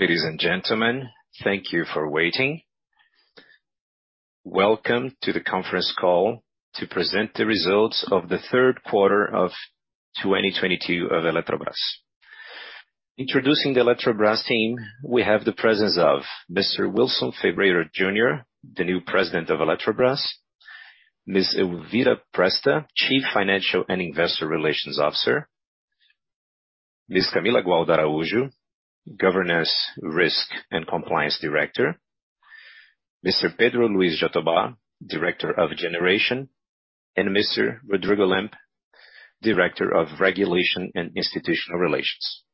Ladies and gentlemen, thank you for waiting. Welcome to the conference call to present the results of the Q3 of 2022 of Eletrobras. Introducing the Eletrobras team, we have the presence of Mr. Wilson Ferreira Jr., the new President of Eletrobras, Ms. Elvira Presta, Chief Financial and Investor Relations Officer, Ms. Camila Gualda Sampaio Araújo, Governance Risk and Compliance Director, Mr. Pedro Luiz de Oliveira Jatobá, Director of Generation, and Mr. Rodrigo Limp Nascimento, Director of Regulation and Institutional Relations.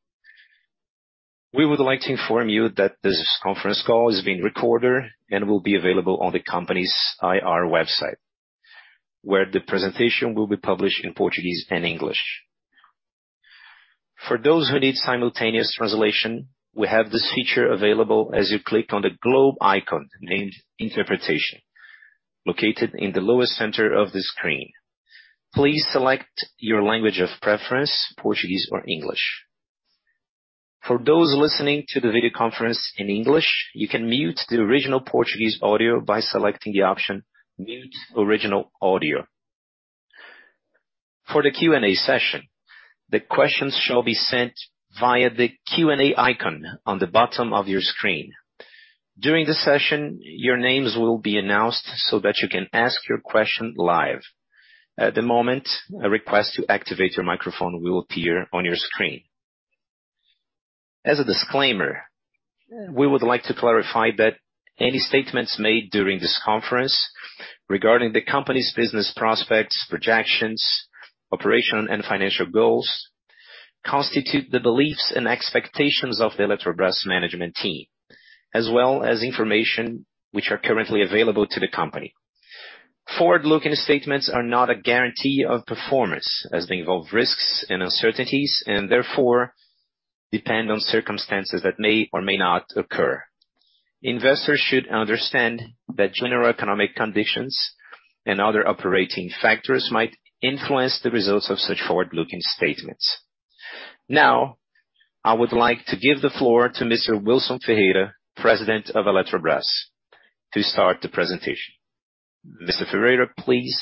We would like to inform you that this conference call is being recorded and will be available on the company's IR website, where the presentation will be published in Portuguese and English. For those who need simultaneous translation, we have this feature available as you click on the globe icon named Interpretation, located in the lowest center of the screen. Please select your language of preference, Portuguese or English. For those listening to the video conference in English, you can mute the original Portuguese audio by selecting the option Mute Original Audio. For the Q&A session, the questions shall be sent via the Q&A icon on the bottom of your screen. During the session, your names will be announced so that you can ask your question live. At the moment, a request to activate your microphone will appear on your screen. As a disclaimer, we would like to clarify that any statements made during this conference regarding the company's business prospects, projections, operation, and financial goals constitute the beliefs and expectations of the Eletrobrás management team, as well as information which are currently available to the company. Forward-looking statements are not a guarantee of performance as they involve risks and uncertainties, and therefore depend on circumstances that may or may not occur. Investors should understand that general economic conditions and other operating factors might influence the results of such forward-looking statements. Now, I would like to give the floor to Mr. Wilson Ferreira, President of Eletrobras, to start the presentation. Mr. Ferreira, please.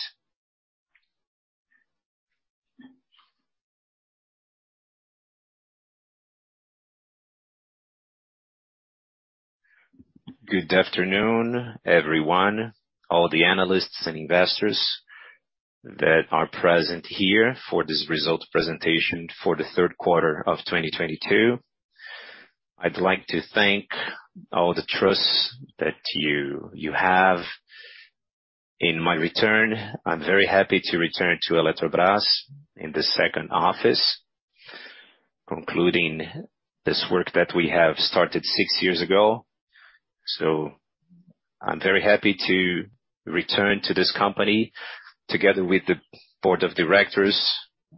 Good afternoon, everyone, all the analysts and investors that are present here for this results presentation for the Q3 of 2022. I'd like to thank all the trust that you have in my return. I'm very happy to return to Eletrobras in the second office, concluding this work that we have started six years ago. I'm very happy to return to this company, together with the board of directors,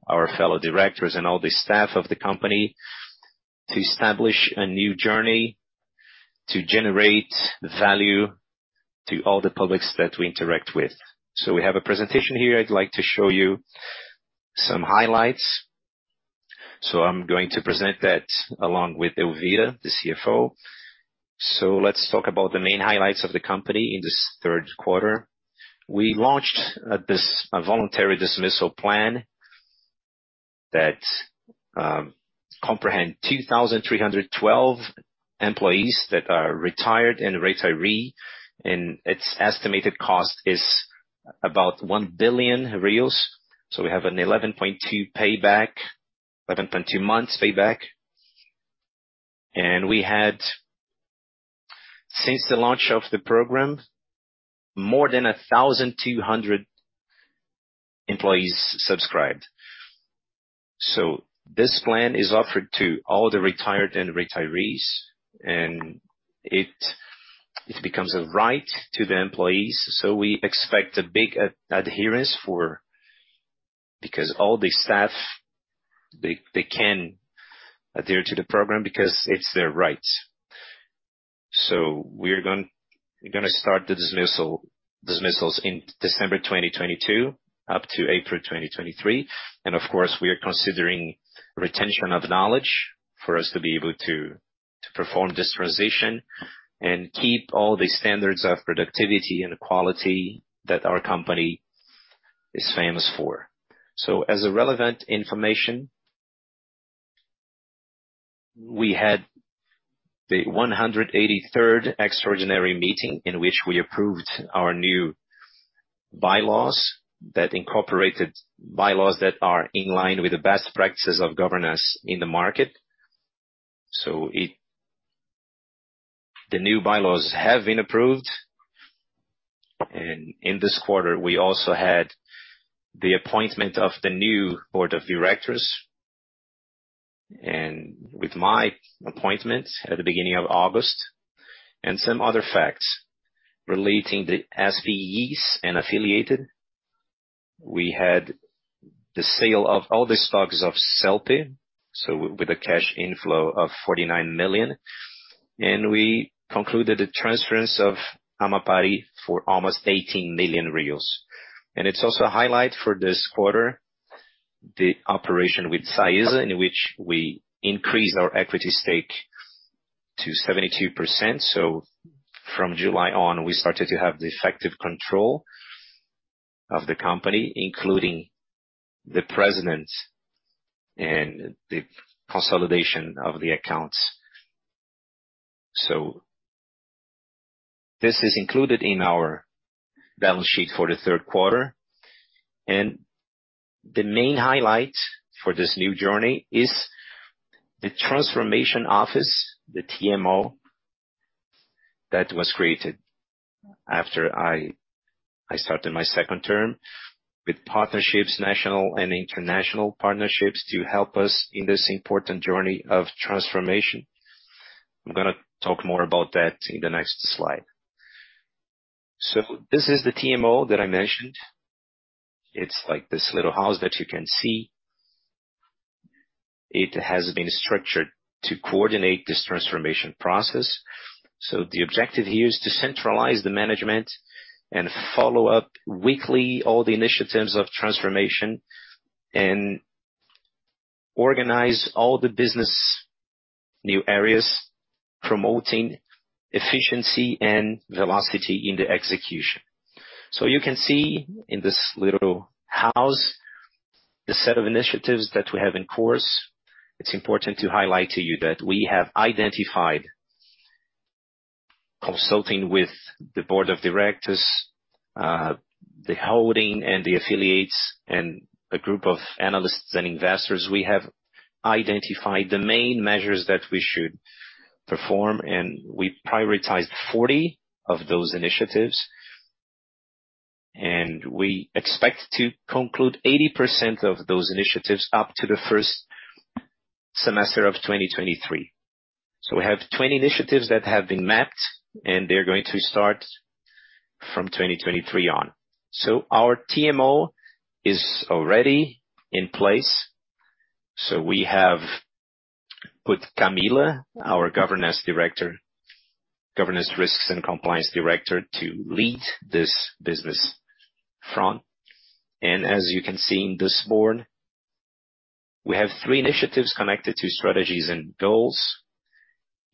our fellow directors and all the staff of the company, to establish a new journey, to generate value to all the publics that we interact with. We have a presentation here. I'd like to show you some highlights. I'm going to present that along with Elvira, the CFO. Let's talk about the main highlights of the company in this Q3. We launched this voluntary dismissal plan that comprises 2,312 employees that are retired and retiree, and its estimated cost is about 1 billion. We have an 11.2 months payback. We had, since the launch of the program, more than 1,200 employees subscribed. This plan is offered to all the retired and retirees, and it becomes a right to the employees. We expect a big adherence. Because all the staff, they can adhere to the program because it's their right. We're going to start the dismissals in December 2022 up to April 2023. Of course, we are considering retention of knowledge for us to be able to perform this transition and keep all the standards of productivity and quality that our company is famous for. As a relevant information, we had the 183rd extraordinary meeting in which we approved our new bylaws that incorporated bylaws that are in line with the best practices of governance in the market. The new bylaws have been approved. In this quarter, we also had the appointment of the new board of directors. With my appointment at the beginning of August, and some other facts relating the SPEs and affiliated, we had the sale of all the stocks of Celpe, so with a cash inflow of 49 million. We concluded the transference of Amapari for almost 18 million. It's also a highlight for this quarter, the operation with SAESA, in which we increased our equity stake to 72%. From July on, we started to have the effective control of the company, including the president and the consolidation of the accounts. This is included in our balance sheet for the Q3. The main highlight for this new journey is the transformation office, the TMO, that was created after I started my second term with partnerships, national and international partnerships, to help us in this important journey of transformation. I'm gonna talk more about that in the next slide. This is the TMO that I mentioned. It's like this little house that you can see. It has been structured to coordinate this transformation process. The objective here is to centralize the management and follow up weekly all the initiatives of transformation and organize all the business new areas, promoting efficiency and velocity in the execution. You can see in this little house the set of initiatives that we have in course. It's important to highlight to you that we have identified, consulting with the board of directors, the holding and the affiliates and a group of analysts and investors. We have identified the main measures that we should perform, and we prioritized 40 of those initiatives. We expect to conclude 80% of those initiatives up to the first semester of 2023. We have 20 initiatives that have been mapped and they're going to start from 2023 on. Our TMO is already in place. We have put Camila Gualda Araújo, our governance director, governance risks and compliance director, to lead this business front. As you can see in this board, we have three initiatives connected to strategies and goals,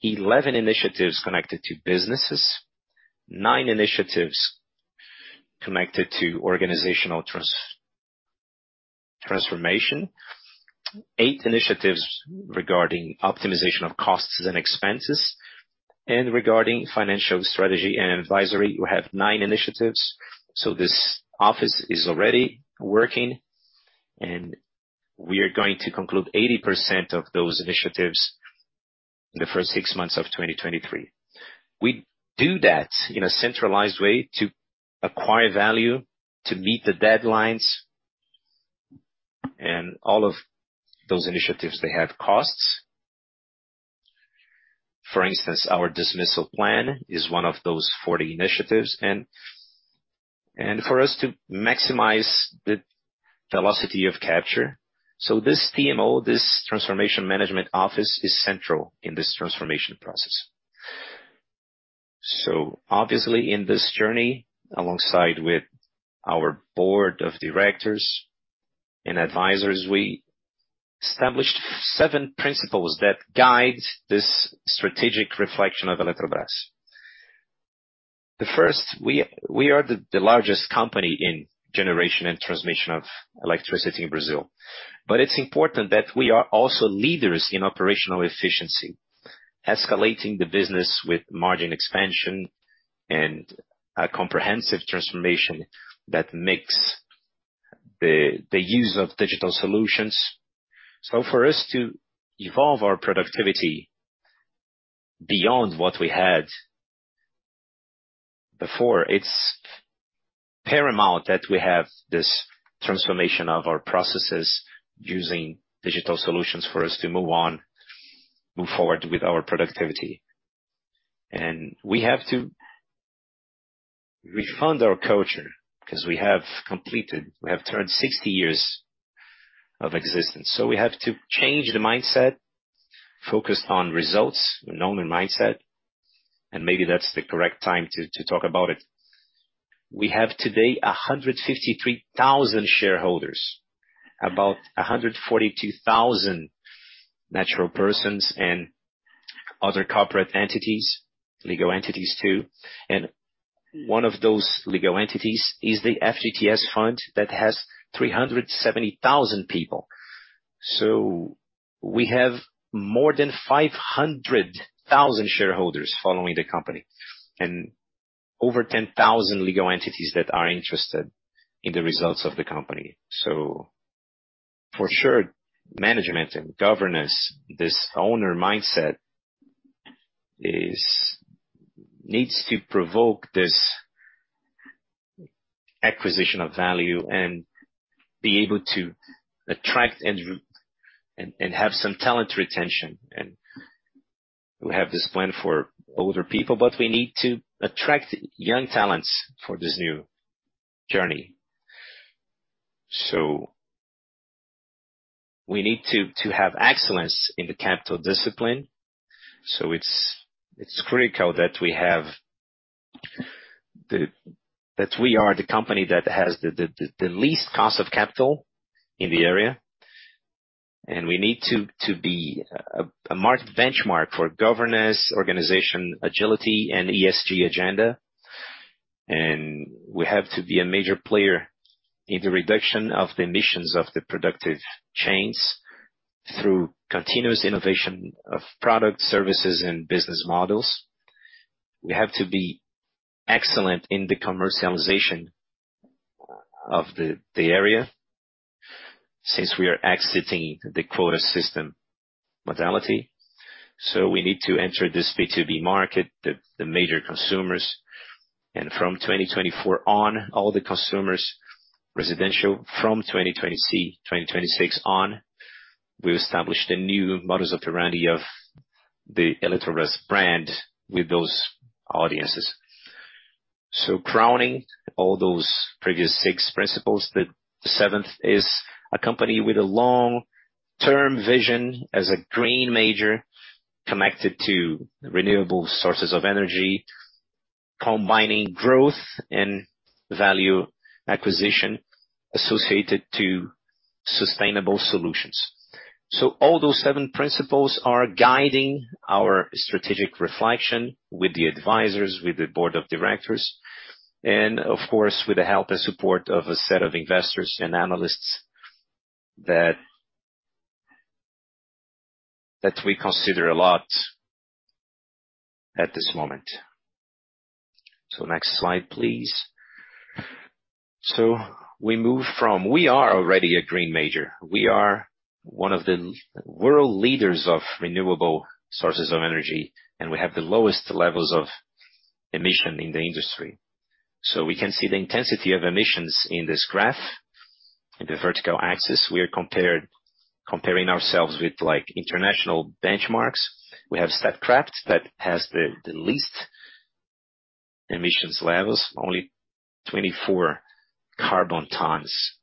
11 initiatives connected to businesses, nine initiatives connected to organizational transformation, 8 initiatives regarding optimization of costs and expenses. Regarding financial strategy and advisory, we have 9 initiatives. This office is already working, and we are going to conclude 80% of those initiatives in the first 6 months of 2023. We do that in a centralized way to acquire value, to meet the deadlines. All of those initiatives, they have costs. For instance, our dismissal plan is one of those 40 initiatives. For us to maximize the velocity of capture. This TMO, this transformation management office, is central in this transformation process. Obviously in this journey, alongside with our board of directors and advisors, we established seven principles that guide this strategic reflection of Eletrobrás. The first, we are the largest company in generation and transmission of electricity in Brazil. It's important that we are also leaders in operational efficiency, escalating the business with margin expansion and a comprehensive transformation that makes the use of digital solutions. For us to evolve our productivity beyond what we had before, it's paramount that we have this transformation of our processes using digital solutions for us to move on, move forward with our productivity. We have to renew our culture because we have turned 60 years of existence. We have to change the mindset, focused on results, an owner mindset, and maybe that's the correct time to talk about it. We have today 153,000 shareholders, about 142,000 natural persons and other corporate entities, legal entities too. One of those legal entities is the FGTS fund that has 370,000 people. We have more than 500,000 shareholders following the company and over 10,000 legal entities that are interested in the results of the company. For sure, management and governance, this owner mindset needs to provoke this acquisition of value and be able to attract and have some talent retention. We have this plan for older people, but we need to attract young talents for this new journey. We need to have excellence in the capital discipline. It's critical that we have that we are the company that has the least cost of capital in the area. We need to be a benchmark for governance, organization, agility and ESG agenda. We have to be a major player in the reduction of the emissions of the productive chains through continuous innovation of products, services, and business models. We have to be excellent in the commercialization of the area since we are exiting the quota system modality. We need to enter this B2B market, the major consumers. From 2024 on, all residential consumers from 2026 on, we established a new modus operandi of the Eletrobras brand with those audiences. Crowning all those previous six principles, the seventh is a company with a long-term vision as a green major connected to renewable sources of energy, combining growth and value acquisition associated to sustainable solutions. All those seven principles are guiding our strategic reflection with the advisors, with the board of directors, and of course, with the help and support of a set of investors and analysts that we consider a lot at this moment. Next slide, please. We are already a green major. We are one of the world leaders of renewable sources of energy, and we have the lowest levels of emission in the industry. We can see the intensity of emissions in this graph. In the vertical axis, we are comparing ourselves with, like, international benchmarks. We have Statkraft that has the least emissions levels, only 24 carbon tons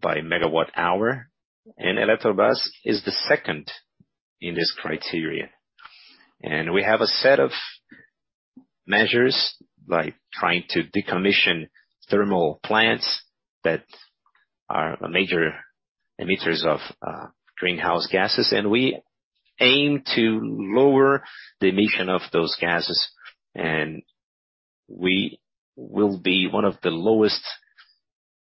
per megawatt hour. Eletrobras is the second in this criteria. We have a set of measures, like trying to decommission thermal plants that are major emitters of greenhouse gases. We aim to lower the emission of those gases. We will be one of the lowest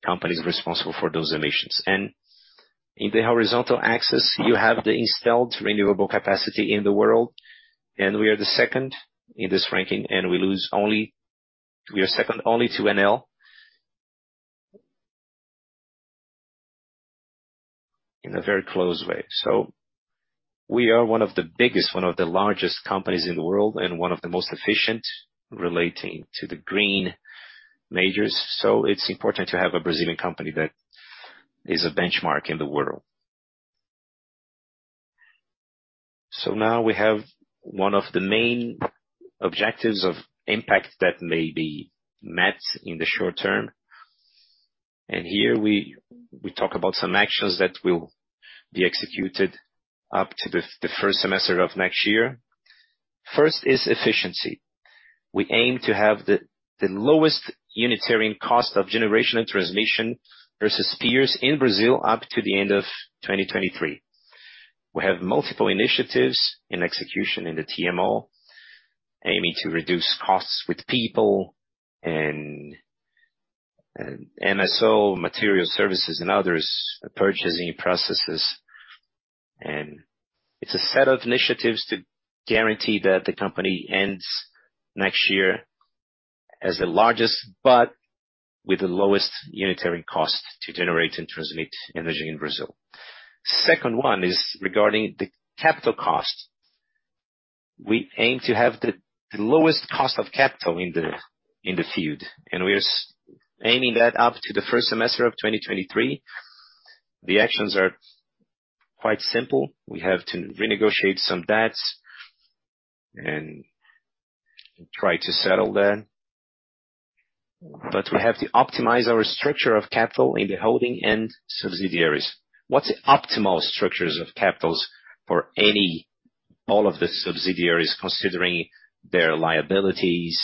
companies responsible for those emissions. In the horizontal axis, you have the installed renewable capacity in the world. We are the second in this ranking, and we are second only to Enel. In a very close way. We are one of the biggest, one of the largest companies in the world, and one of the most efficient relating to the green majors. It's important to have a Brazilian company that is a benchmark in the world. Now we have one of the main objectives of impact that may be met in the short term. Here we talk about some actions that will be executed up to the first semester of next year. First is efficiency. We aim to have the lowest unitary cost of generation and transmission versus peers in Brazil up to the end of 2023. We have multiple initiatives in execution in the TMO, aiming to reduce costs with people and MSO, material services, and others, purchasing processes. It's a set of initiatives to guarantee that the company ends next year as the largest, but with the lowest unitarian cost to generate and transmit energy in Brazil. Second one is regarding the capital cost. We aim to have the lowest cost of capital in the field, and we're aiming that up to the first semester of 2023. The actions are quite simple. We have to renegotiate some debts and try to settle them. We have to optimize our structure of capital in the holding and subsidiaries. What is the optimal structure of capital for all of the subsidiaries, considering their liabilities?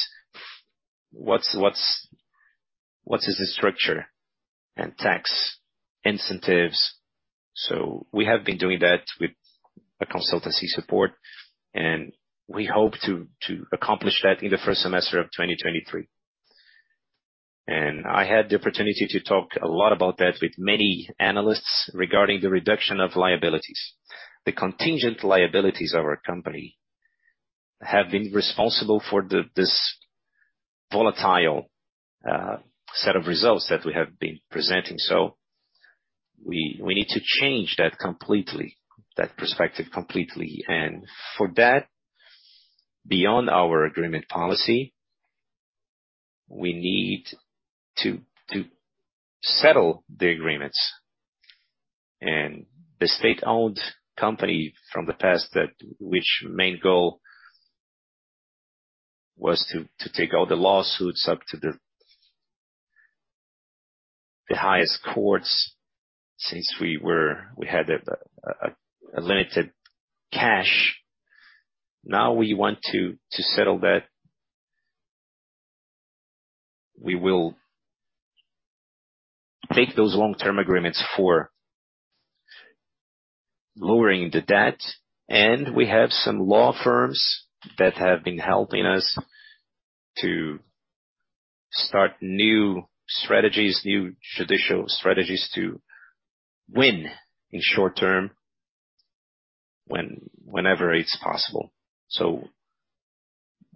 What is the structure and tax incentives? We have been doing that with a consultancy support, and we hope to accomplish that in the first semester of 2023. I had the opportunity to talk a lot about that with many analysts regarding the reduction of liabilities. The contingent liabilities of our company have been responsible for the volatile set of results that we have been presenting. We need to change that completely, that perspective completely. For that, beyond our agreement policy, we need to settle the agreements. The state-owned company from the past that which main goal was to take all the lawsuits up to the highest courts since we had a limited cash. Now we want to settle that. We will take those long-term agreements for lowering the debt, and we have some law firms that have been helping us to start new strategies, new judicial strategies to win in short term whenever it's possible.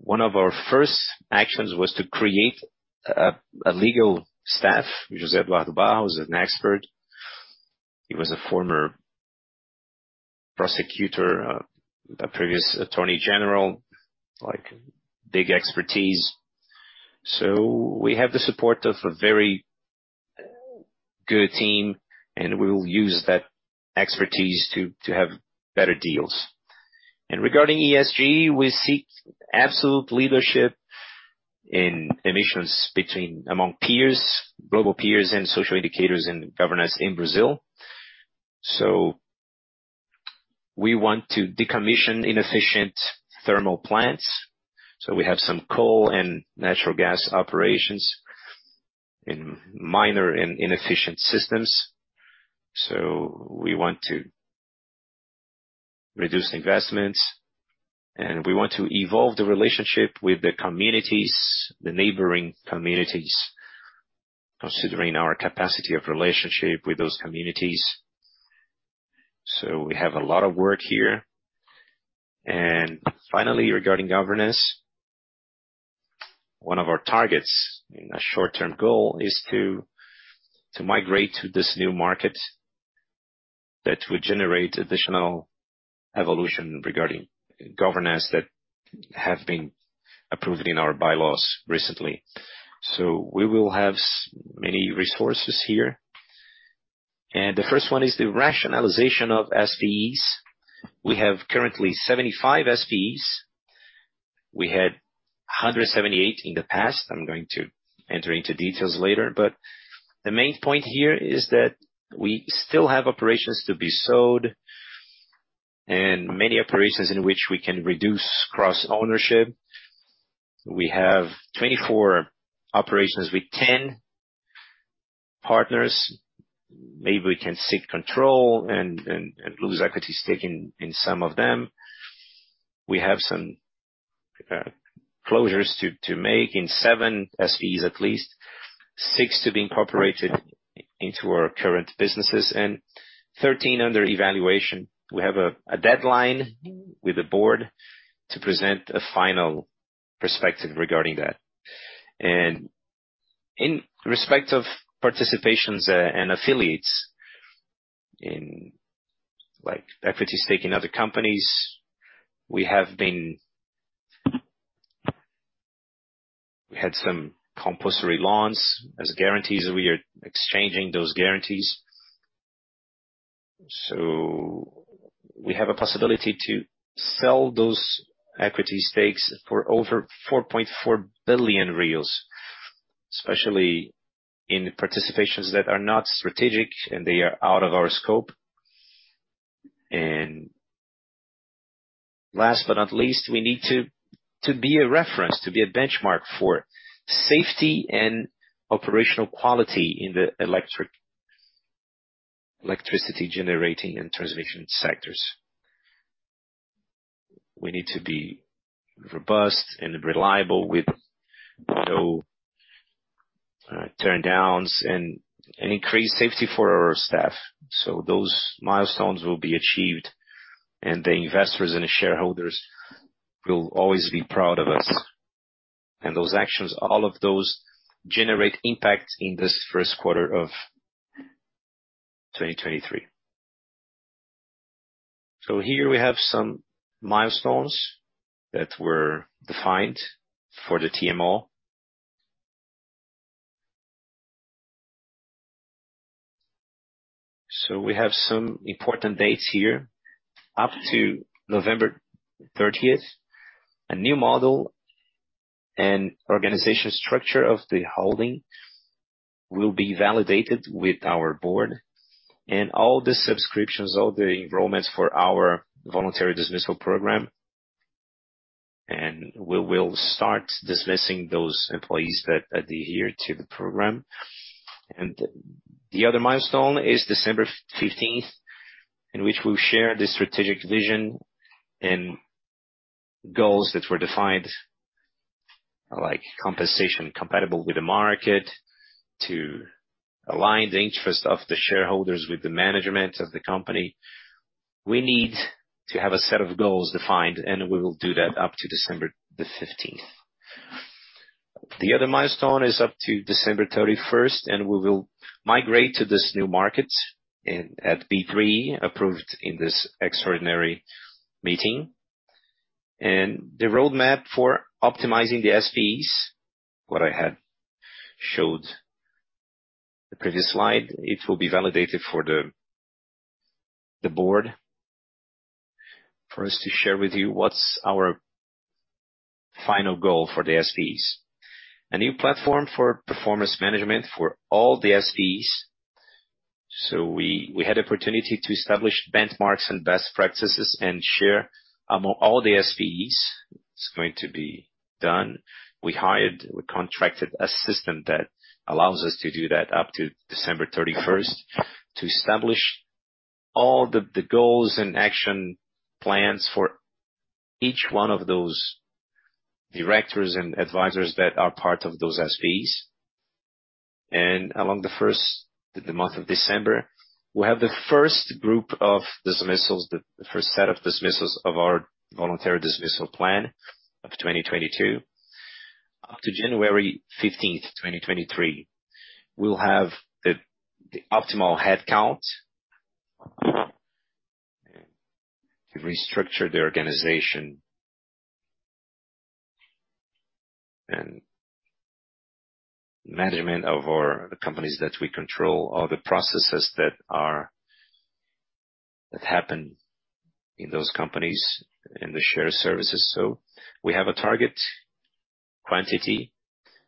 One of our first actions was to create a legal staff, which is Eduardo Barros, who's an expert. He was a former prosecutor, a previous attorney general, like big expertise. We have the support of a very good team, and we will use that expertise to have better deals. Regarding ESG, we seek absolute leadership in emissions among peers, global peers and social indicators in governance in Brazil. We want to decommission inefficient thermal plants. We have some coal and natural gas operations in minor and inefficient systems. We want to reduce investments, and we want to evolve the relationship with the communities, the neighboring communities, considering our capacity of relationship with those communities. We have a lot of work here. Finally, regarding governance, one of our targets and a short-term goal is to migrate to this new market that will generate additional evolution regarding governance that have been approved in our bylaws recently. So we will have so many resources here. The first one is the rationalization of SPEs. We currently have 75 SPEs. We had 178 in the past. I'm going to enter into details later, but the main point here is that we still have operations to be sold and many operations in which we can reduce cross-ownership. We have 24 operations with 10 partners. Maybe we can seek control and lose equity stake in some of them. We have some closures to make in 7 SPEs, at least 6 to be incorporated into our current businesses and 13 under evaluation. We have a deadline with the board to present a final perspective regarding that. In respect of participations and affiliates in, like, equity stake in other companies, we had some compulsory loans as guarantees. We are exchanging those guarantees. We have a possibility to sell those equity stakes for over 4.4 billion reais, especially in participations that are not strategic and they are out of our scope. Last but not least, we need to be a reference, to be a benchmark for safety and operational quality in the electricity generating and transmission sectors. We need to be robust and reliable with no turndowns and increase safety for our staff. Those milestones will be achieved, and the investors and the shareholders will always be proud of us. Those actions, all of those generate impact in this Q1 of 2023. Here we have some milestones that were defined for the TMO. We have some important dates here. Up to November 30th, a new model and organization structure of the holding will be validated with our board and all the subscriptions, all the enrollments for our voluntary dismissal program, and we will start dismissing those employees that adhere to the program. The other milestone is December 15th, in which we'll share the strategic vision and goals that were defined, like compensation compatible with the market, to align the interest of the shareholders with the management of the company. We need to have a set of goals defined, and we will do that up to December 15th. The other milestone is up to December thirty-first, and we will migrate to this new market and at B3 approved in this extraordinary meeting. The roadmap for optimizing the SPEs, what I had showed the previous slide, it will be validated for the board for us to share with you what's our final goal for the SPEs. A new platform for performance management for all the SPEs. We had opportunity to establish benchmarks and best practices and share among all the SPEs. It's going to be done. We contracted a system that allows us to do that up to December thirty-first, to establish all the goals and action plans for each one of those directors and advisors that are part of those SPEs. The month of December, we'll have the first group of dismissals, the first set of dismissals of our voluntary dismissal plan of 2022. Up to January 15, 2023, we'll have the optimal headcount. We've restructured the organization. Management of our companies that we control, all the processes that happen in those companies in the shared services. We have a target quantity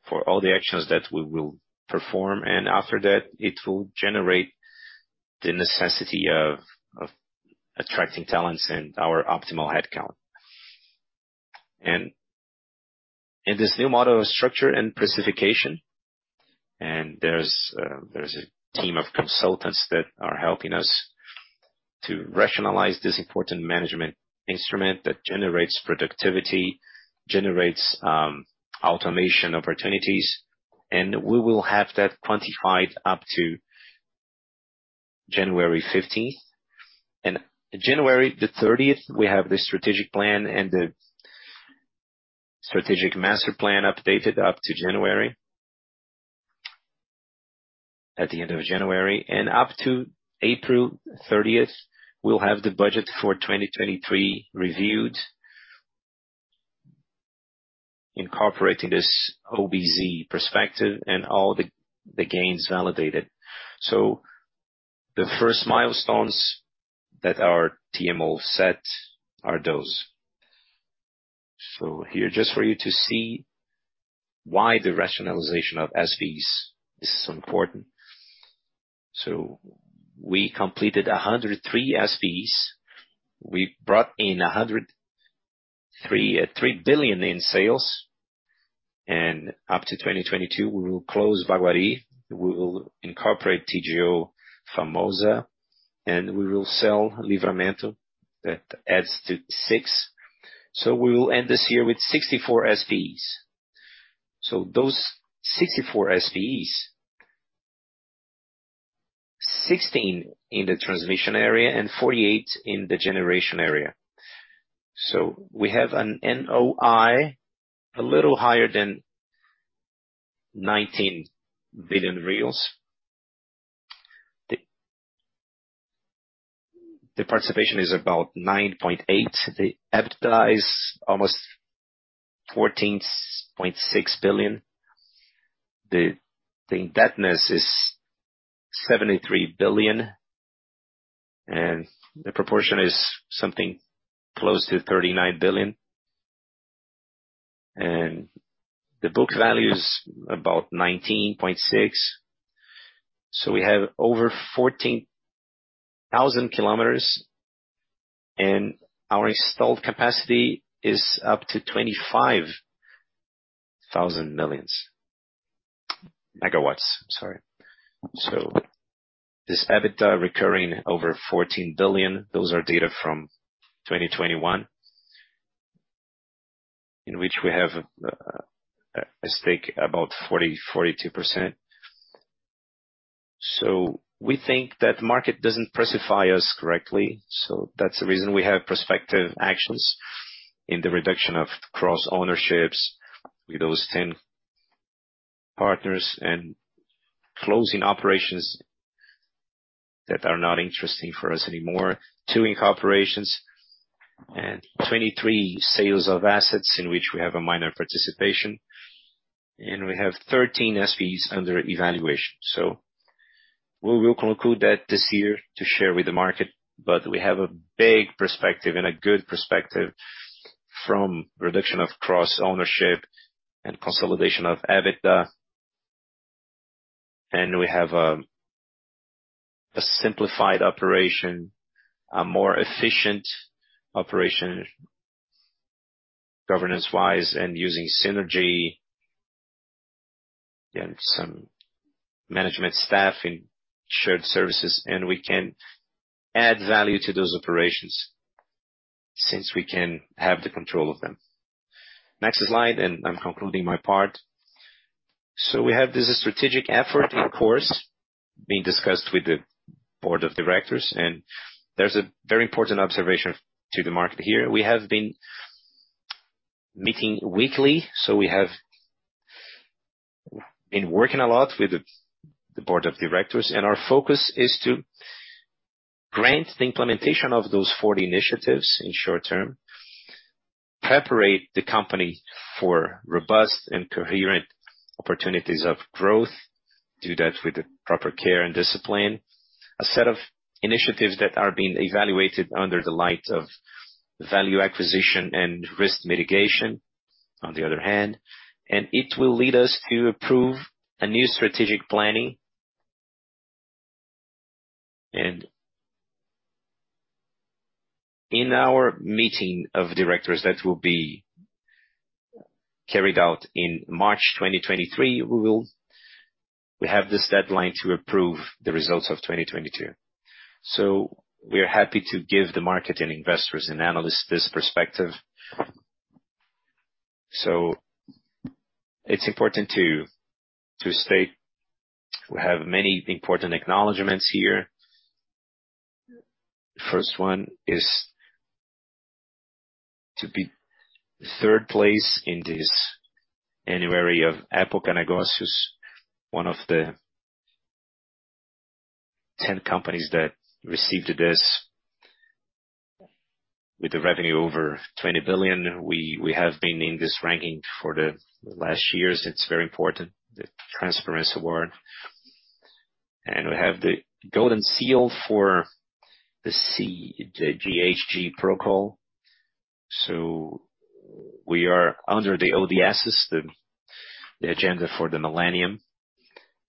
for all the actions that we will perform. After that, it will generate the necessity of attracting talents and our optimal headcount. In this new model of structure and pricing, and there's a team of consultants that are helping us to rationalize this important management instrument that generates productivity, generates automation opportunities, and we will have that quantified up to January 15. January 30, we have the strategic plan and the strategic master plan updated up to January. At the end of January, and up to April 30, we'll have the budget for 2023 reviewed. Incorporating this OBZ perspective and all the gains validated. The first milestones that our TMO set are those. Here, just for you to see why the rationalization of SPEs is so important. We completed 103 SPEs. We brought in 3 billion in sales. Up to 2022, we will close Baguari, we will incorporate TGO Famosa, and we will sell Livramento. That adds to six. We will end this year with 64 SPEs. Those 64 SPEs. 16 in the transmission area and 48 in the generation area. We have an NOI a little higher than 19 billion. The participation is about 9.8. The EBITDA is almost 14.6 billion. The indebtedness is 73 billion, and the proportion is something close to 39 billion. The book value is about 19.6. We have over 14,000 kilometers, and our installed capacity is up to 25,000 megawatts. This EBITDA recurring over 14 billion, those are data from 2021. In which we have a stake about 40%-42%. We think that market doesn't price us correctly, so that's the reason we have prospective actions in the reduction of cross-ownerships with those ten partners and closing operations that are not interesting for us anymore. Two incorporations and twenty-three sales of assets in which we have a minor participation. We have thirteen SPEs under evaluation. We will conclude that this year to share with the market. We have a big perspective and a good perspective from reduction of cross-ownership and consolidation of EBITDA. We have a simplified operation, a more efficient operation, governance-wise, and using synergy and some management staff in shared services, and we can add value to those operations since we can have the control of them. Next slide, and I'm concluding my part. We have this strategic effort, of course, being discussed with the board of directors, and there's a very important observation to the market here. We have been meeting weekly, so we have been working a lot with the board of directors, and our focus is to grant the implementation of those 40 initiatives in short term. Prepare the company for robust and coherent opportunities of growth, do that with the proper care and discipline. A set of initiatives that are being evaluated under the light of value acquisition and risk mitigation, on the other hand, and it will lead us to approve a new strategic planning. In our meeting of directors that will be carried out in March 2023, we have this deadline to approve the results of 2022. We are happy to give the market and investors and analysts this perspective. It's important to state we have many important acknowledgments here. First one is to be third place in this annual award of Época NEGÓCIOS, one of the 10 companies that received this. With the revenue over 20 billion, we have been in this ranking for the last years. It's very important, the Transparency Award. We have the Golden Seal for the C, the GHG Protocol. We are under the ODSs, the agenda for the millennium.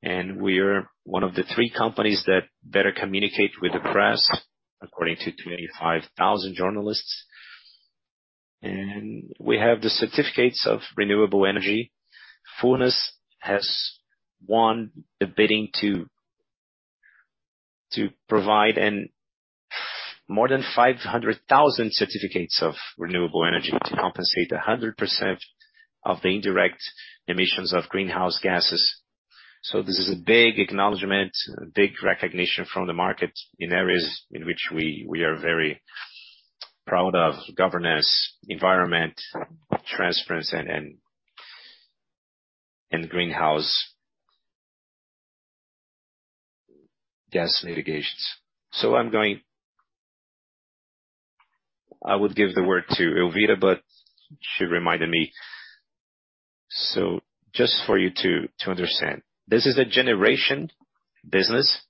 We are one of the three companies that better communicate with the press according to 25,000 journalists. We have the certificates of renewable energy. Furnas has won the bidding to provide more than 500,000 certificates of renewable energy to compensate 100% of the indirect emissions of greenhouse gases. This is a big acknowledgment, a big recognition from the market in areas in which we are very proud of, governance, environment, transparency and greenhouse gas mitigations. I'm going. I would give the word to Elvira, but she reminded me. Just for you to understand, this is a generation business.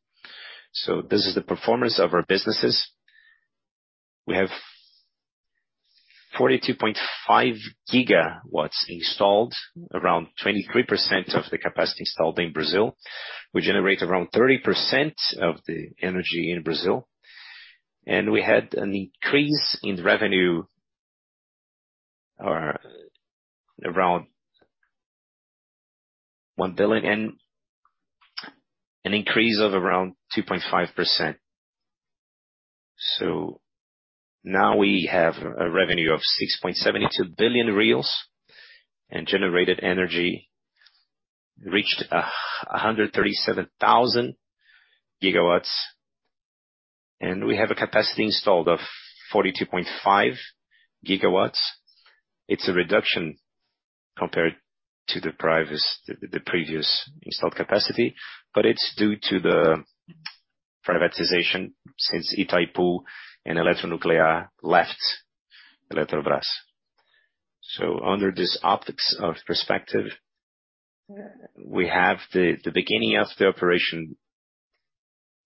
This is the performance of our businesses. We have 42.5 gigawatts installed, around 23% of the capacity installed in Brazil. We generate around 30% of the energy in Brazil. We had an increase in revenue of around 1 billion and an increase of around 2.5%. Now we have a revenue of 6.72 billion reais, and generated energy reached a hundred thirty-seven thousand GWh, and we have a capacity installed of 42.5 GW. It's a reduction compared to the previous installed capacity, but it's due to the privatization since Itaipu and Eletronuclear left Eletrobrás. Under this optics of perspective, we have the beginning of the operation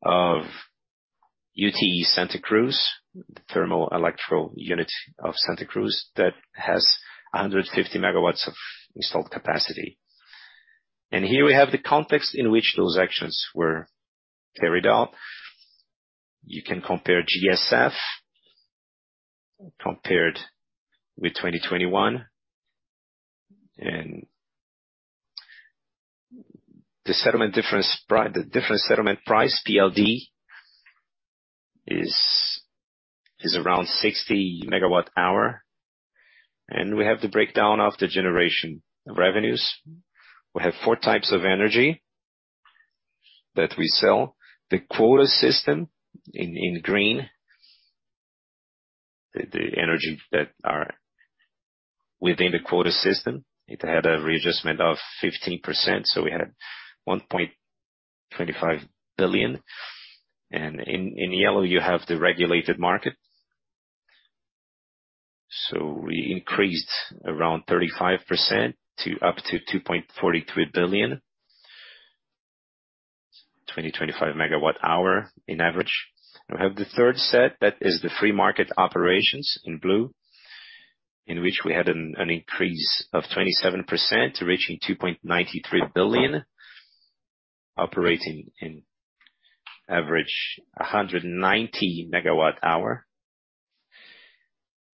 of UTE Santa Cruz, the thermal electrical unit of Santa Cruz, that has 150 MW of installed capacity. Here we have the context in which those actions were carried out. You can compare GSF compared with 2021. The difference settlement price, PLD, is around 60/MWh. We have the breakdown of the generation revenues. We have four types of energy that we sell. The quota system in green, the energy that are within the quota system, it had a readjustment of 15%, so we had 1.25 billion. In yellow, you have the regulated market. We increased around 35% to up to 2.43 billion, 225 MWh in average. We have the third set that is the free market operations in blue, in which we had an increase of 27%, reaching 2.93 billion, operating in average 190 MWh.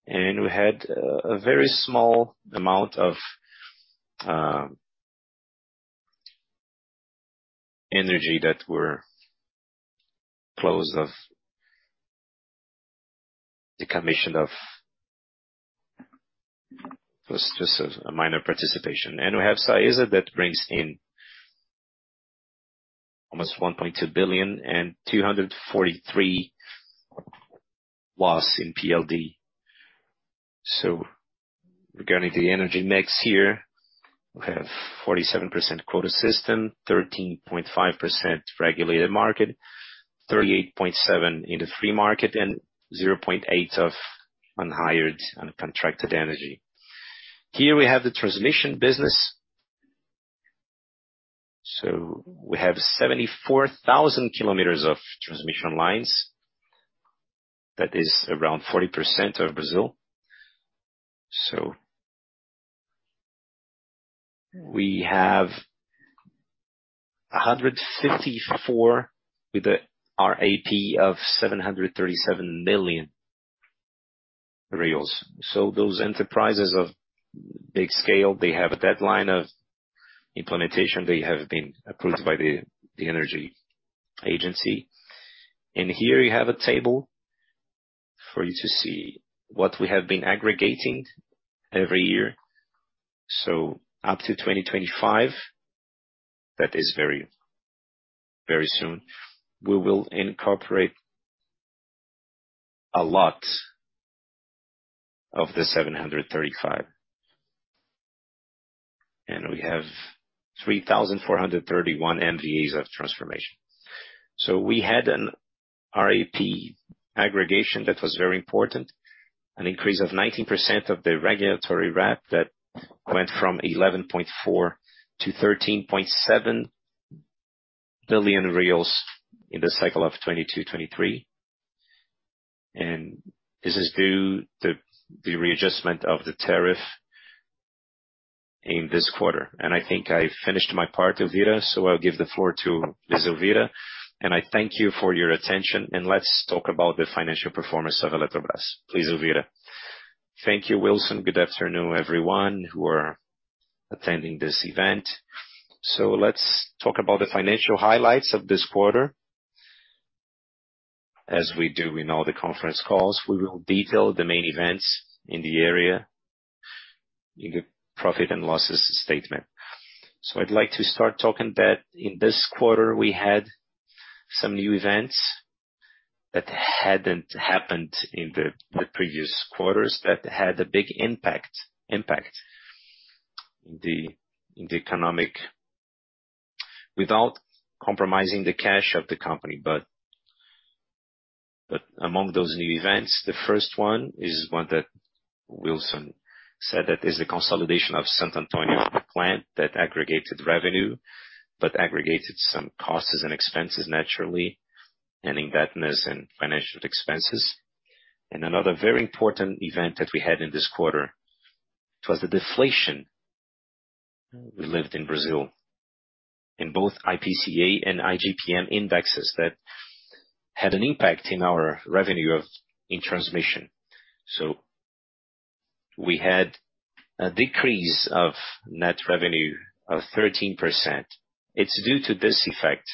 We had a very small amount of energy that were sold to the CCEE. A minor participation. We have SAESA that brings in almost BRL 1.2 billion and 243 watts in PLD. Regarding the energy mix here, we have 47% quota system, 13.5% regulated market, 38.7% in the free market, and 0.8% of unhired, uncontracted energy. Here we have the transmission business. We have 74,000 kilometers of transmission lines. That is around 40% of Brazil. We have 154 with the RAP of 737 million. Those enterprises of big scale have a deadline of implementation. They have been approved by the energy agency. Here you have a table for you to see what we have been aggregating every year. Up to 2025, that is very, very soon, we will incorporate a lot of the 735. We have 3,431 MVAs of transmission. We had an RAP aggregation that was very important, an increase of 19% of the regulatory RAP that went from 11.4 billion to 13.7 billion reais in the cycle of 2022-2023. This is due to the readjustment of the tariff in this quarter. I think I finished my part, Elvira, so I'll give the floor to Ms. Elvira. I thank you for your attention, and let's talk about the financial performance of Eletrobrás. Please, Elvira. Thank you, Wilson. Good afternoon, everyone who are attending this event. Let's talk about the financial highlights of this quarter. As we do in all the conference calls, we will detail the main events in the area, in the profit and loss statement. I'd like to start talking about that in this quarter, we had some new events that hadn't happened in the previous quarters that had a big impact in the economic without compromising the cash of the company. Among those new events, the first one is one that Wilson said that is the consolidation of Santo Antônio plant that aggregated revenue, but aggregated some costs and expenses naturally, and indebtedness and financial expenses. Another very important event that we had in this quarter was the deflation we lived in Brazil, in both IPCA and IGPM indexes that had an impact in our revenue of in transmission. We had a decrease of net revenue of 13%. It's due to this effect.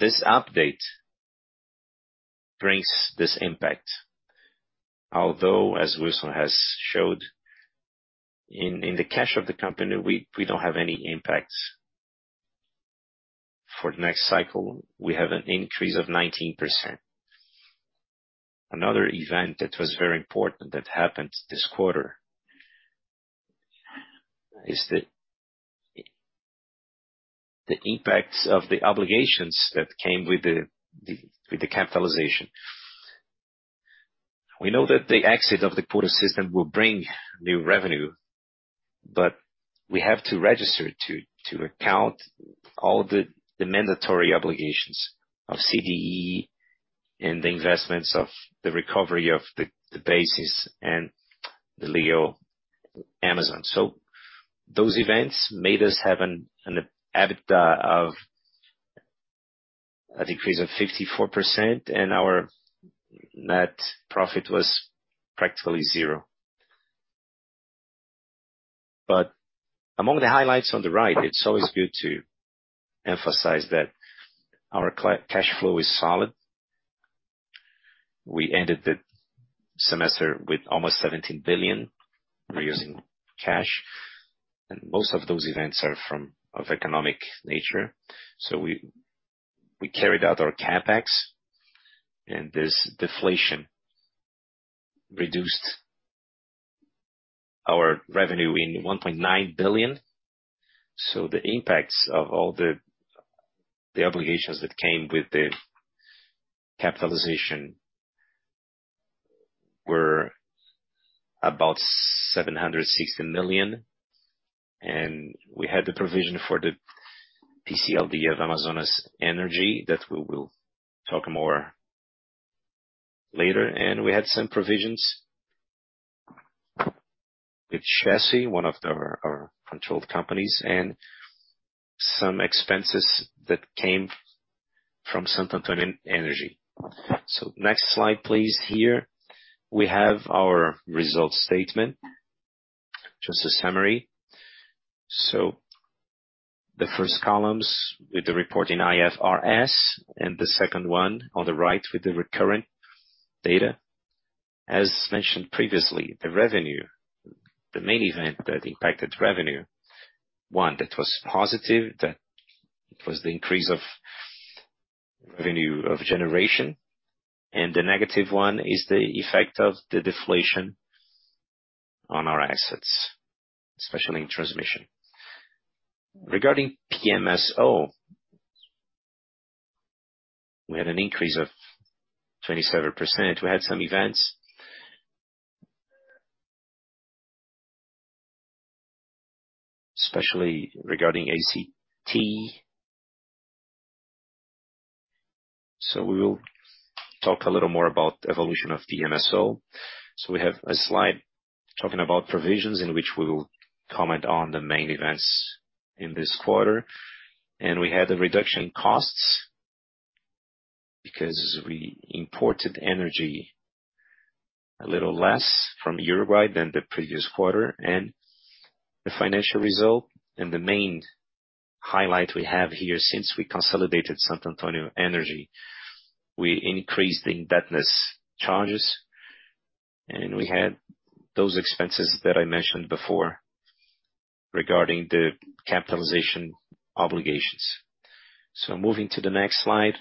This update brings this impact. Although, as Wilson has showed, in the cash flow of the company, we don't have any impacts. For the next cycle, we have an increase of 19%. Another event that was very important that happened this quarter is the impacts of the obligations that came with the capitalization. We know that the exit of the quota system will bring new revenue, but we have to register to account all the mandatory obligations of CDE and the investments of the recovery of the basins and the Legal Amazon. Those events made us have an EBITDA of a decrease of 54%, and our net profit was practically zero. Among the highlights on the right, it's always good to emphasize that our cash flow is solid. We ended the semester with almost 17 billion. We're using cash, and most of those events are of economic nature. We carried out our CapEx, and this deflation reduced our revenue in 1.9 billion. The impacts of all the obligations that came with the capitalization were about 760 million, and we had the provision for the PCLD of Amazonas Energia that we will talk more later. We had some provisions with Chesf, one of our controlled companies, and some expenses that came from Santo Antônio Energia. Next slide, please. Here we have our results statement. Just a summary. The first columns with the report in IFRS and the second one on the right with the recurrent data. As mentioned previously, the revenue, the main event that impacted revenue, one, that was positive, that was the increase of revenue of generation. The negative one is the effect of the deflation on our assets, especially in transmission. Regarding PMSO, we had an increase of 27%. We had some events, especially regarding ACT. We will talk a little more about evolution of PMSO. We have a slide talking about provisions in which we will comment on the main events in this quarter. We had a reduction costs because we imported energy a little less from Uruguay than the previous quarter. The financial result and the main highlight we have here, since we consolidated Santo Antônio Energia, we increased the indebtedness charges, and we had those expenses that I mentioned before regarding the capitalization obligations. Moving to the next slide,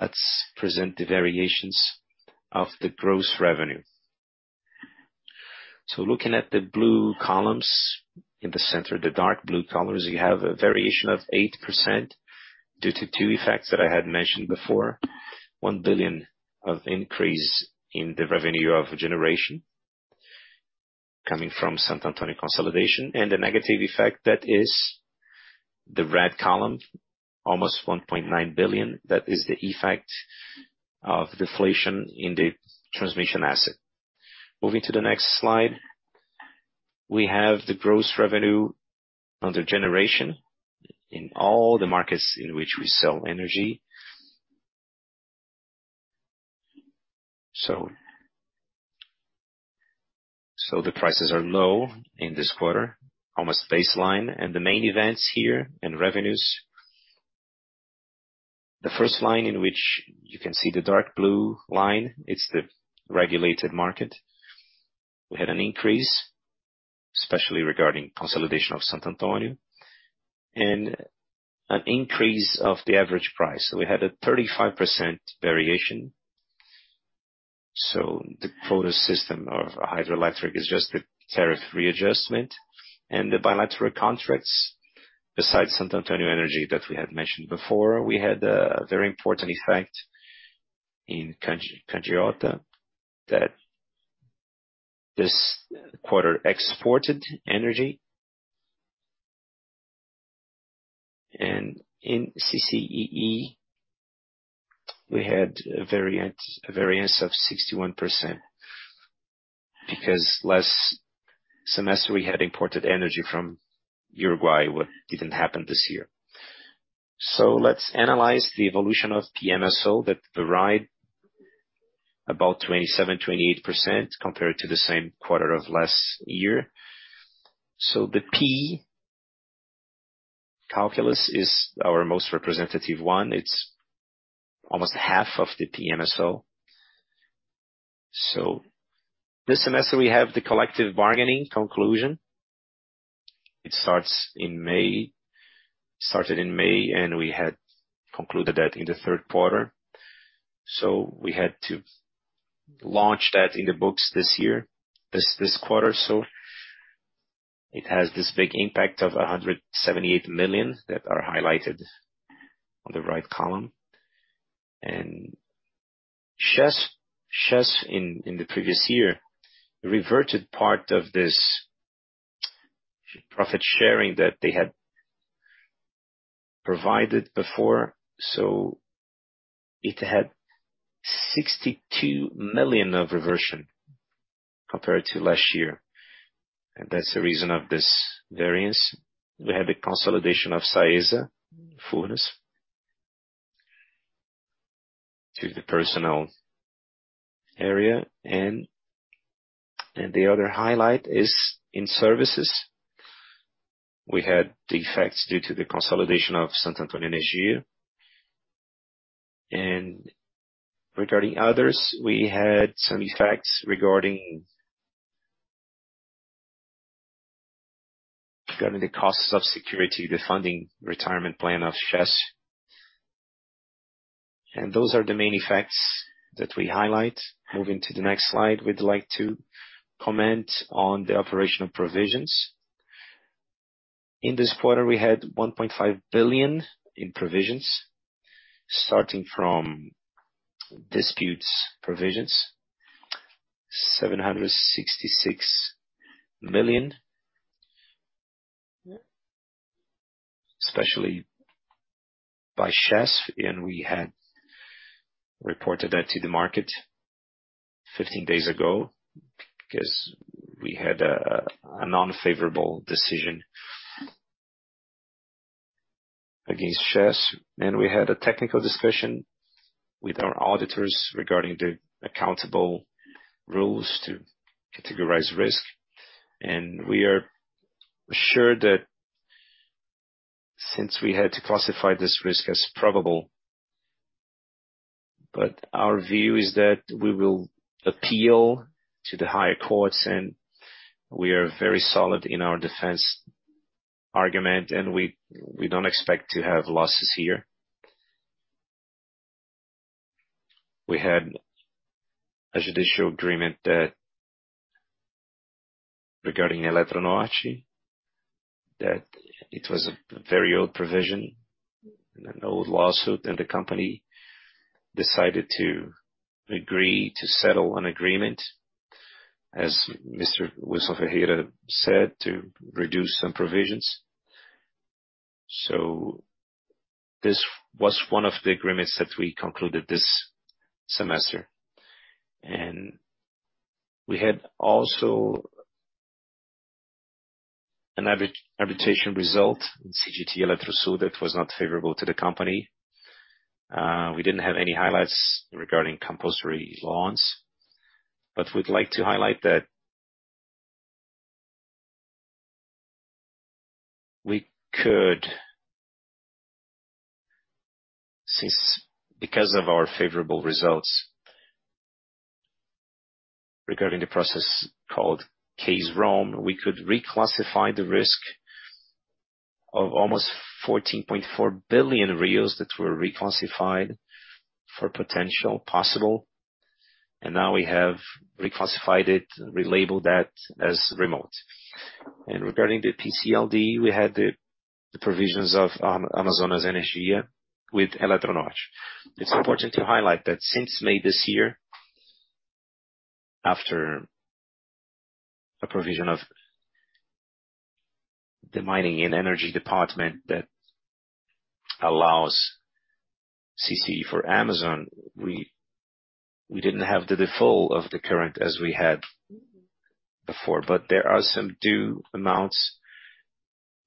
let's present the variations of the gross revenue. Looking at the blue columns in the center, the dark blue colors, you have a variation of 8% due to two effects that I had mentioned before. 1 billion of increase in the revenue of generation coming from Santo Antônio consolidation. The negative effect that is the red column, almost 1.9 billion. That is the effect of deflation in the transmission asset. Moving to the next slide, we have the gross revenue under generation in all the markets in which we sell energy. The prices are low in this quarter, almost baseline. The main events here and revenues, the first line in which you can see the dark blue line, it's the regulated market. We had an increase, especially regarding consolidation of Santo Antônio Energia, and an increase of the average price. We had a 35% variation. The product system of hydroelectric is just a tariff readjustment. The bilateral contracts, besides Santo Antônio Energia that we had mentioned before, we had a very important effect in Candiota that this quarter exported energy. In CCEE, we had a variance of 61%, because last semester we had imported energy from Uruguay, which didn't happen this year. Let's analyze the evolution of PMSO that varied about 27-28% compared to the same quarter of last year. The Personnel costs is our most representative one. It's almost half of the PMSO. This semester we have the collective bargaining conclusion. It started in May, and we had concluded that in the Q3. We had to launch that in the books this year, this quarter. It has this big impact of 178 million that are highlighted on the right column. Chesf in the previous year reverted part of this profit sharing that they had provided before. It had 62 million of reversion compared to last year. That's the reason of this variance. We had the consolidation of SAESA, Furnas to the personnel area. The other highlight is in services. We had the effects due to the consolidation of Santo Antônio Energia. Regarding others, we had some effects regarding the cost of equity, the funded retirement plan of Chesf. Those are the main effects that we highlight. Moving to the next slide, we'd like to comment on the operational provisions. In this quarter, we had 1.5 billion in provisions, starting from disputes provisions, BRL 766 million, especially by Chesf. We had reported that to the market 15 days ago, because we had a non-favorable decision against Chesf, and we had a technical discussion with our auditors regarding the accounting rules to categorize risk. We are sure that since we had to classify this risk as probable. But our view is that we will appeal to the higher courts, and we are very solid in our defense argument, and we don't expect to have losses here. We had a judicial agreement that regarding Eletronorte, that it was a very old provision, an old lawsuit, and the company decided to agree to settle an agreement, as Mr. Wilson Ferreira Jr. said, to reduce some provisions. This was one of the agreements that we concluded this semester. We had also an arbitration result in CGT Eletrosul that was not favorable to the company. We didn't have any highlights regarding compulsory loans, but we'd like to highlight that because of our favorable results regarding the process called Caso Roma, we could reclassify the risk of almost 14.4 billion that were reclassified from probable to possible, and now we have reclassified it, relabeled that as remote. Regarding the PCLD, we had the provisions of Amazonas Energia with Eletronorte. It's important to highlight that since May this year, after a provision of the mining and energy department that allows CCC for Amazonas, we didn't have the default of the consumer as we had before, but there are some due amounts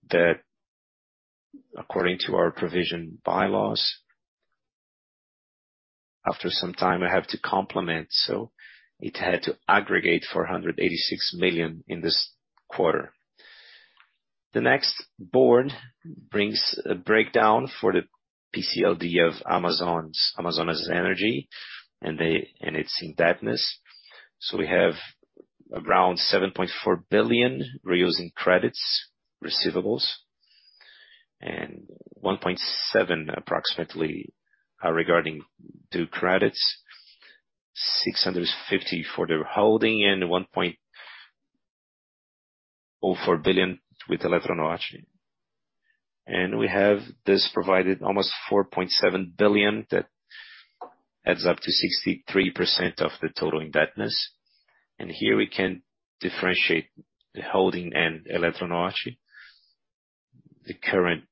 that, according to our provision bylaws, after some time, I have to complement, so it had to aggregate 486 million in this quarter. The next board brings a breakdown for the PCLD of Amazonas Energia and its indebtedness. We have around 7.4 billion receivables, credits receivables and 1.7 billion approximately regarding due credits, 650 million for the holding and 1.04 billion with Eletronorte. We have this provided almost 4.7 billion that adds up to 63% of the total indebtedness. Here we can differentiate the holding and Eletronorte. The current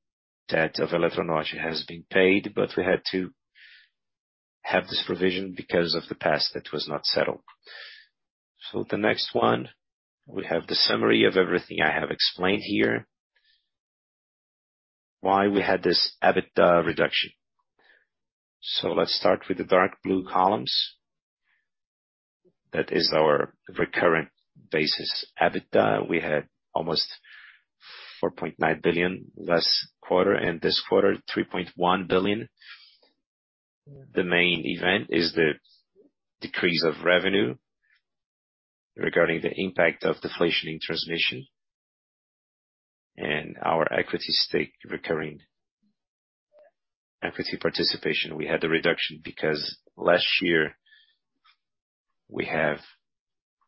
debt of Eletronorte has been paid, but we had to have this provision because of the past that was not settled. The next one, we have the summary of everything I have explained here, why we had this EBITDA reduction. Let's start with the dark blue columns. That is our recurrent basis EBITDA. We had almost 4.9 billion last quarter, and this quarter, 3.1 billion. The main event is the decrease of revenue regarding the impact of deflation in transmission and our equity stake recurring. Equity participation, we had the reduction because last year we have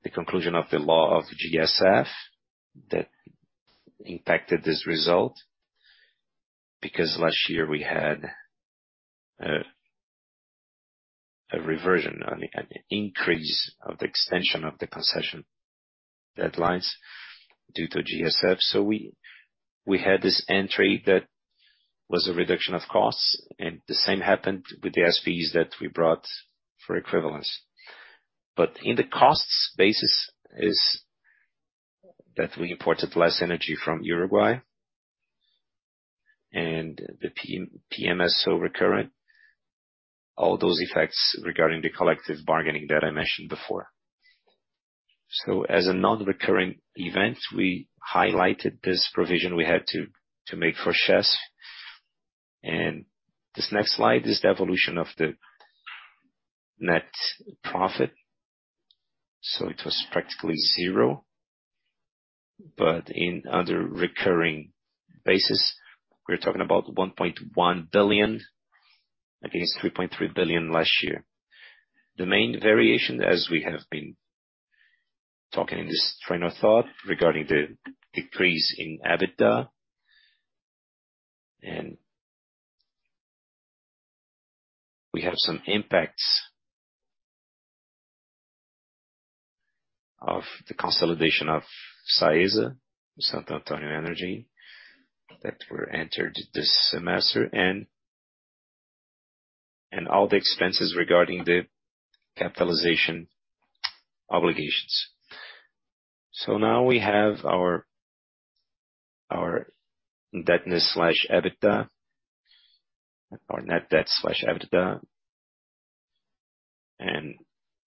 the conclusion of the law of GSF that impacted this result. Because last year we had a reversion on an increase of the extension of the concession deadlines due to GSF. We had this entry that was a reduction of costs, and the same happened with the SVs that we brought for equivalence. In the costs basis is that we imported less energy from Uruguay and the PMSO so recurrent, all those effects regarding the collective bargaining that I mentioned before. As a non-recurring event, we highlighted this provision we had to make for Chesf. This next slide is the evolution of the net profit. It was practically zero. In other recurring basis, we're talking about 1.1 billion against 3.3 billion last year. The main variation, as we have been talking in this train of thought, regarding the decrease in EBITDA. We have some impacts of the consolidation of SAESA, Santo Antônio Energia, that were entered this semester and all the expenses regarding the capitalization obligations. Now we have our indebtedness/EBITDA, our net debt/EBITDA.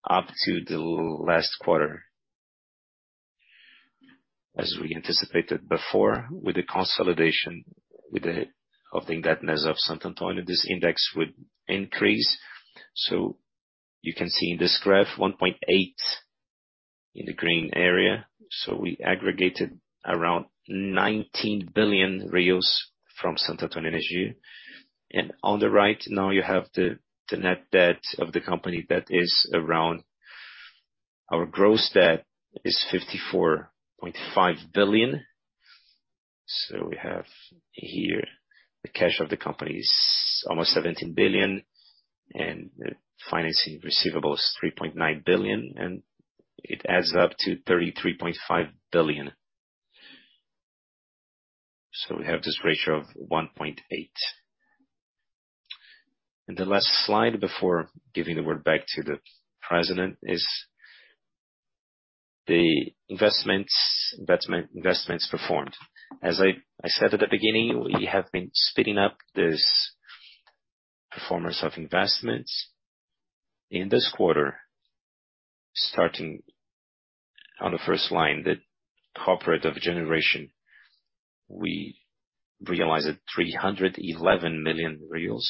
Up to the last quarter, as we anticipated before with the consolidation of the indebtedness of Santo Antônio Energia, this index would increase. You can see in this graph 1.8 in the green area. We aggregated around 19 billion from Santo Antônio Energia. On the right now you have the net debt of the company that is around. Our gross debt is 54.5 billion. We have here the cash of the company is almost 17 billion, and the financing receivables 3.9 billion, and it adds up to 33.5 billion. We have this ratio of 1.8. The last slide before giving the word back to the president is the investments performed. As I said at the beginning, we have been speeding up this performance of investments. In this quarter, starting on the first line, the corporate of generation, we realized BRL 311 million,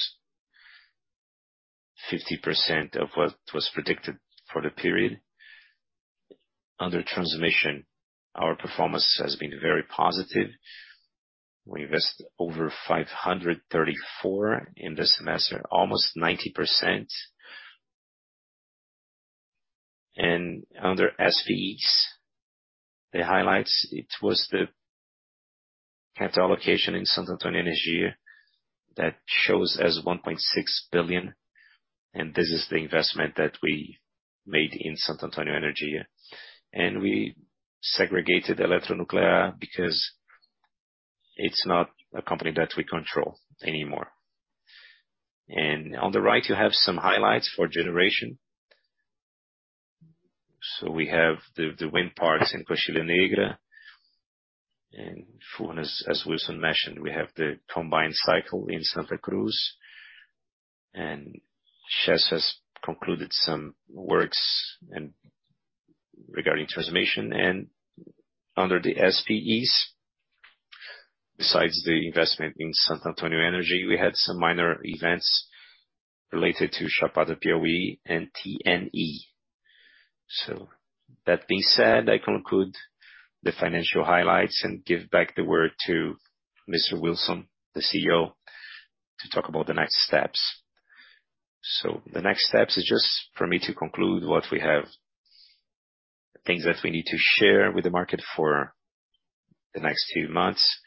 50% of what was predicted for the period. Under transmission, our performance has been very positive. We invest over 534 million in this semester, almost 90%. Under SPEs, the highlights, it was the capital allocation in Santo Antônio Energia that shows as 1.6 billion, and this is the investment that we made in Santo Antônio Energia. We segregated Eletronuclear because it's not a company that we control anymore. On the right, you have some highlights for generation. We have the wind parts in Coxilha Negra. As Wilson mentioned, we have the combined cycle in Santa Cruz, and Chesf has concluded some works and regarding transmission. Under the SPEs, besides the investment in Santo Antônio Energia, we had some minor events related to Chapada do Piauí and TNE. That being said, I conclude the financial highlights and give back the word to Mr. Wilson, the CEO, to talk about the next steps. The next steps is just for me to conclude what we have, things that we need to share with the market for the next few months.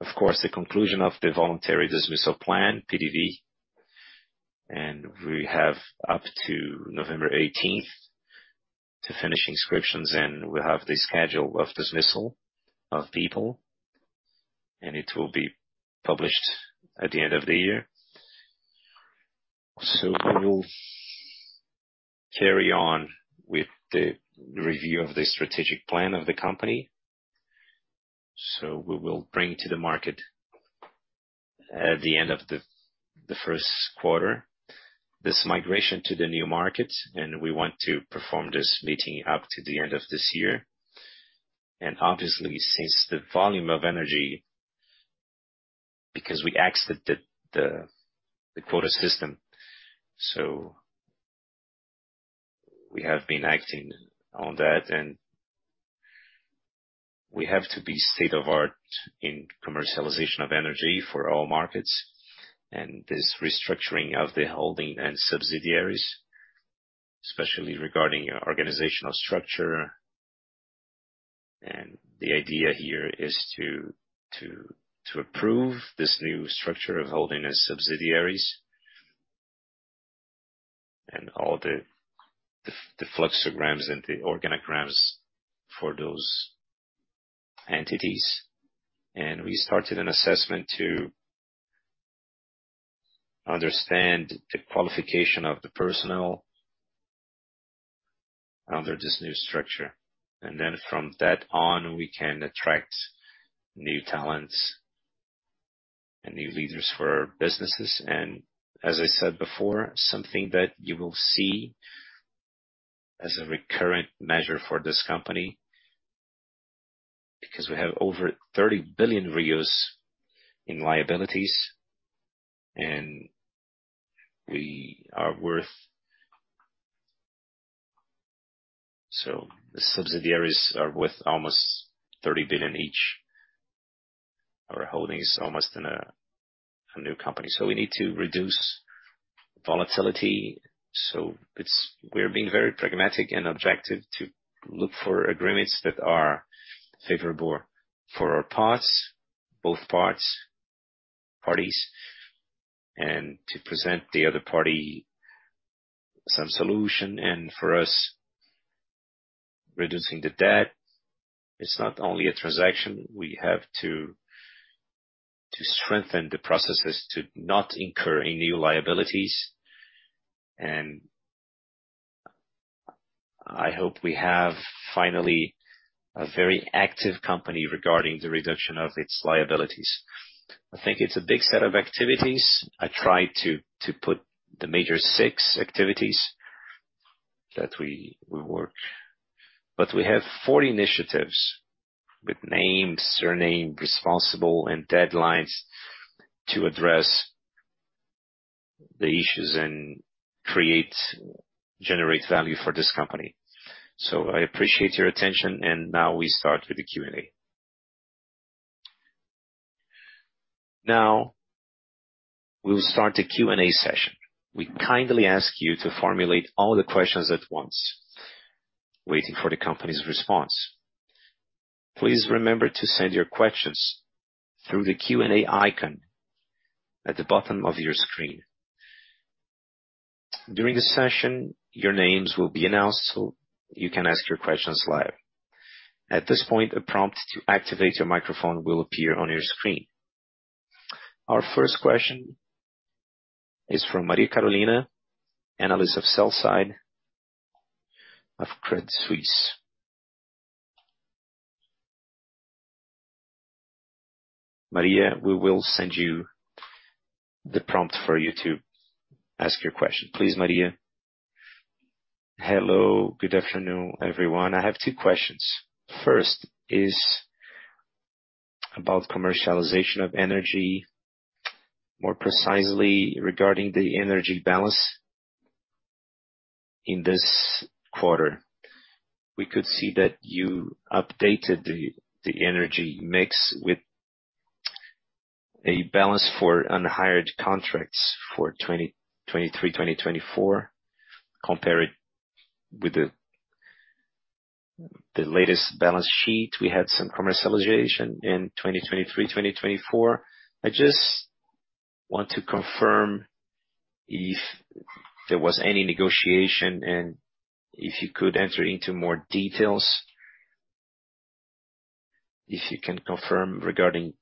Of course, the conclusion of the voluntary dismissal plan, PDV, and we have up to November eighteenth to finish inscriptions. Then we have the schedule of dismissal of people, and it will be published at the end of the year. We will carry on with the review of the strategic plan of the company. We will bring to the market at the end of the Q1 this migration to the new market, and we want to perform this migration up to the end of this year. Obviously, since the volume of energy, because we exited the quota system, we have been acting on that, and we have to be state of the art in commercialization of energy for all markets. This restructuring of the holding and subsidiaries, especially regarding organizational structure. The idea here is to approve this new structure of holding and its subsidiaries and all the fluxograms and the organograms for those entities. We started an assessment to understand the qualification of the personnel under this new structure. Then from that on, we can attract new talents and new leaders for our businesses. As I said before, something that you will see as a recurrent measure for this company, because we have over 30 billion in liabilities, and we are worth. The subsidiaries are worth almost 30 billion each. Our holding is almost in a new company. We need to reduce volatility. It's. We're being very pragmatic and objective to look for agreements that are favorable for our parts, both parts, parties, and to present the other party some solution. For us, reducing the debt, it's not only a transaction. We have to strengthen the processes to not incur any new liabilities. I hope we have finally a very active company regarding the reduction of its liabilities. I think it's a big set of activities. I tried to put the major 6 activities that we work. We have four initiatives with names, surname, responsible, and deadlines to address the issues and create, generate value for this company. I appreciate your attention, and now we start with the Q&A. Now we'll start the Q&A session. We kindly ask you to formulate all the questions at once, waiting for the company's response. Please remember to send your questions through the Q&A icon at the bottom of your screen. During the session, your names will be announced, so you can ask your questions live. At this point, a prompt to activate your microphone will appear on your screen. Our first question is from Maria Carolina, sell-side analyst of Credit Suisse. Maria, we will send you the prompt for you to ask your question. Please, Maria. Hello. Good afternoon, everyone. I have two questions. First is about commercialization of energy, more precisely regarding the energy balance in this quarter. We could see that you updated the energy mix with a balance for unhired contracts for 2023/2024. Compare it with the latest balance sheet. We had some commercialization in 2023/2024. I just want to confirm if there was any negotiation, and if you could enter into more details. If you can confirm regarding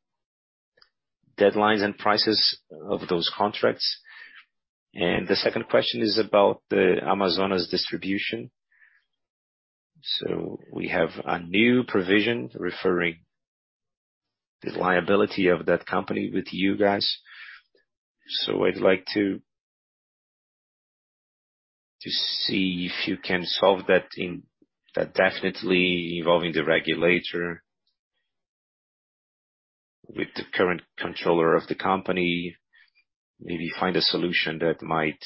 deadlines and prices of those contracts. The second question is about the Amazonas Energia. We have a new provision regarding the liability of that company with you guys. I'd like to see if you can solve that definitely involving the regulator. With the current controller of the company, maybe find a solution that might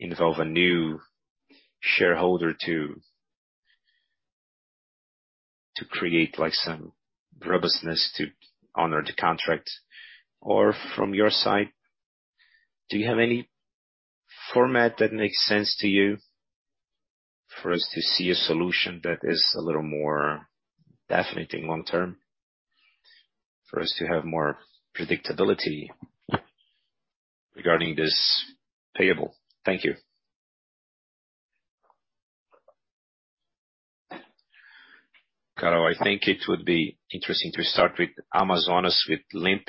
involve a new shareholder to create like some robustness to honor the contract. Or from your side, do you have any format that makes sense to you for us to see a solution that is a little more definite in long term, for us to have more predictability regarding this payable? Thank you. Caro, I think it would be interesting to start with Amazonas with Limp,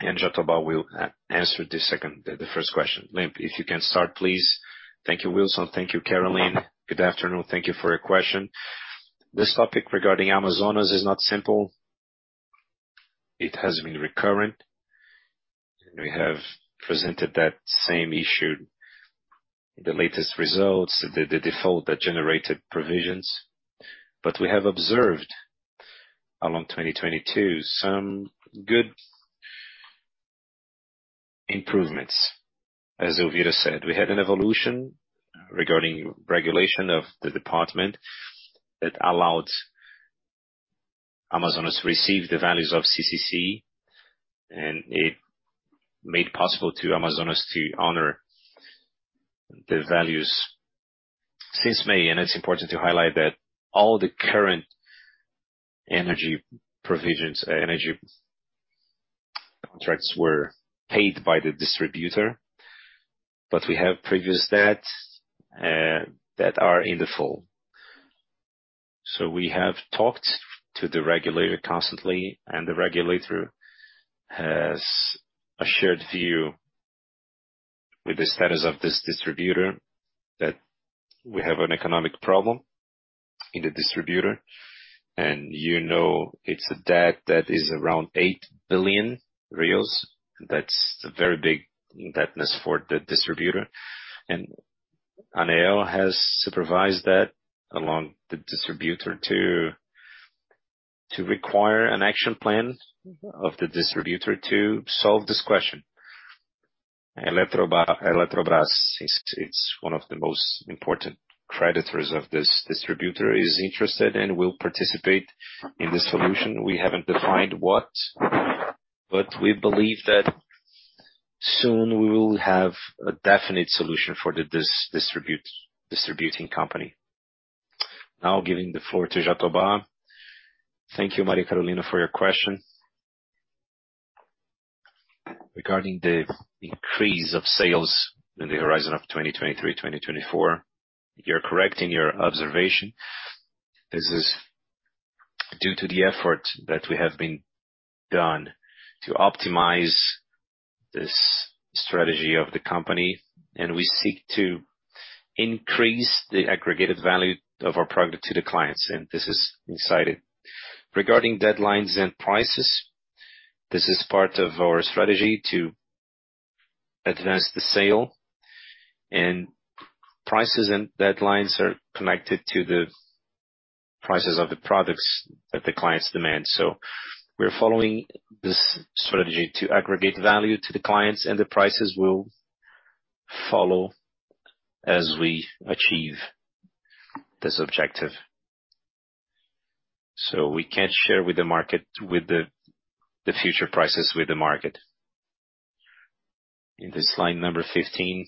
and Jatoba will answer the first question. Limp, if you can start, please. Thank you, Wilson. Thank you, Caroline. Good afternoon. Thank you for your question. This topic regarding Amazonas is not simple. It has been recurrent, and we have presented that same issue in the latest results, the default that generated provisions. We have observed along 2022 some good improvements. As Elvira said, we had an evolution regarding regulation of the department that allowed Amazonas to receive the values of CCC, and it made possible to Amazonas to honor the values since May. It's important to highlight that all the current energy provisions, energy contracts were paid by the distributor, but we have previous debts that are in default. We have talked to the regulator constantly, and the regulator has a shared view with the status of this distributor, that we have an economic problem in the distributor. You know, it's a debt that is around 8 billion. That's a very big debt for the distributor. ANEEL has supervised that along the distributor to require an action plan of the distributor to solve this question. Eletrobras is one of the most important creditors of this distributor, is interested and will participate in the solution. We haven't defined what, but we believe that soon we will have a definite solution for the distributing company. Now giving the floor to Jatobá. Thank you, Maria Carolina, for your question. Regarding the increase of sales in the horizon of 2023/2024, you're correct in your observation. This is due to the effort that we have been done to optimize this strategy of the company, and we seek to increase the aggregated value of our product to the clients, and this is exciting. Regarding deadlines and prices. This is part of our strategy to advance the sale, and prices and deadlines are connected to the prices of the products that the clients demand. We're following this strategy to aggregate value to the clients, and the prices will follow as we achieve this objective. We can't share with the market, with the future prices with the market. In the slide number 15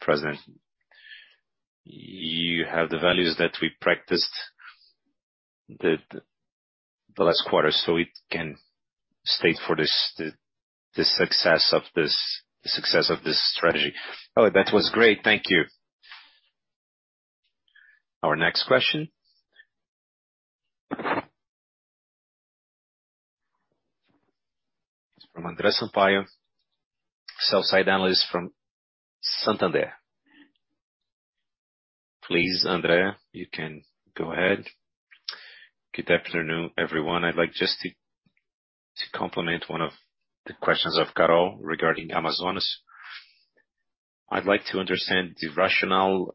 present, you have the values that we practiced the last quarter, so it can state for this, the success of this strategy. Oh, that was great. Thank you. Our next question. From André Sampaio, sell-side analyst from Santander. Please, André, you can go ahead. Good afternoon, everyone. I'd like just to complement one of the questions of Carol regarding Amazonas. I'd like to understand the rationale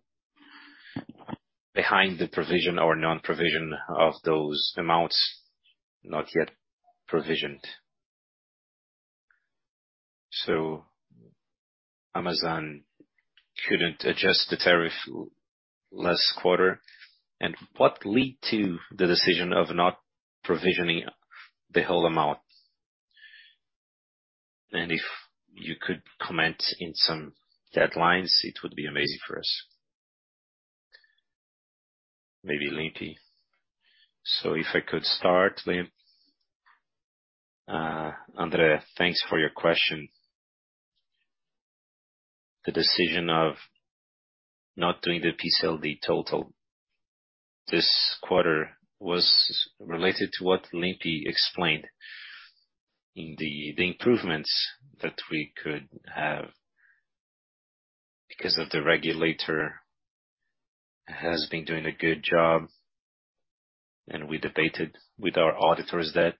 behind the provision or non-provision of those amounts not yet provisioned. Amazonas couldn't adjust the tariff last quarter. What led to the decision of not provisioning the whole amount? If you could comment on some deadlines, it would be amazing for us. Maybe Limp. If I could start, Limp. Andre, thanks for your question. The decision of not doing the PCLD total this quarter was related to what Limp explained in the improvements that we could have because of the regulator has been doing a good job, and we debated with our auditors that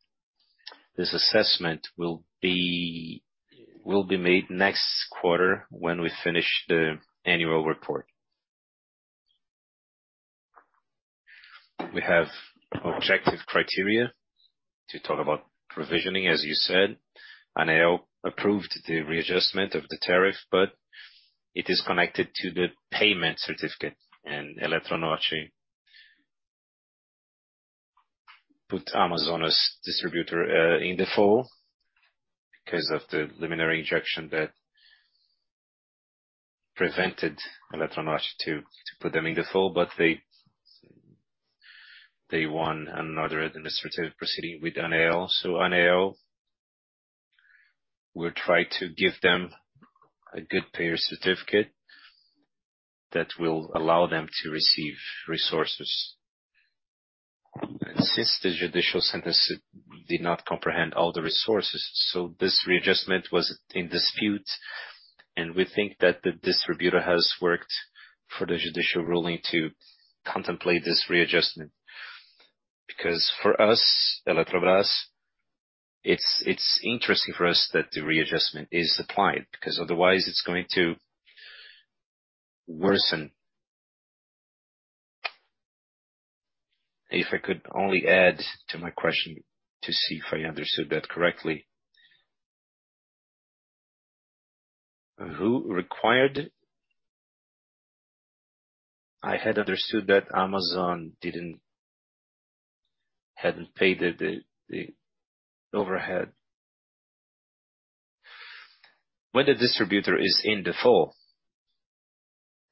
this assessment will be made next quarter when we finish the annual report. We have objective criteria to talk about provisioning, as you said, and ANEEL approved the readjustment of the tariff, but it is connected to the payment certificate, and Eletronorte put Amazonas Energia in default because of the lump sum injection that prevented Eletronorte to put them in default. They won another administrative proceeding with ANEEL. ANEEL will try to give them a good payer certificate that will allow them to receive resources. Since the judicial sentence did not comprehend all the resources, this readjustment was in dispute, and we think that the distributor has worked for the judicial ruling to contemplate this readjustment. Because for us, Eletrobras, it's interesting for us that the readjustment is applied, because otherwise it's going to worsen. If I could only add to my question to see if I understood that correctly. Who required it? I had understood that Amazonas Energia hadn't paid the overdue. When the distributor is in default,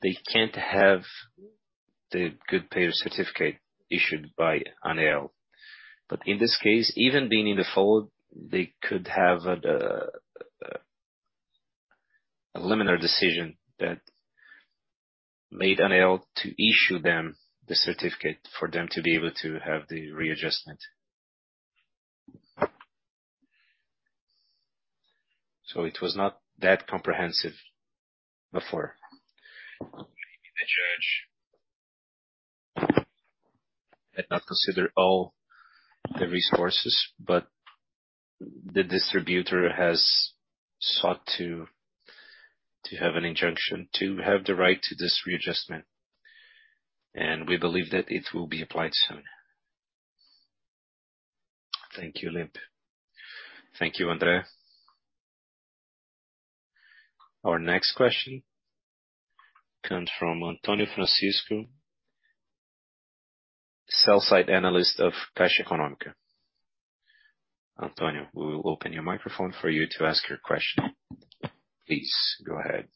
they can't have the good payer certificate issued by ANEEL. But in this case, even being in default, they could have the preliminary decision that made ANEEL issue them the certificate for them to be able to have the readjustment. It was not that comprehensive before. The judge had not considered all the resources, but the distributor has sought to have an injunction, to have the right to this readjustment. We believe that it will be applied soon. Thank you, Limp. Thank you, Andre. Our next question comes from Antonio Junqueira, sell-side analyst of Caixa Econômica. Antonio, we will open your microphone for you to ask your question. Please go ahead.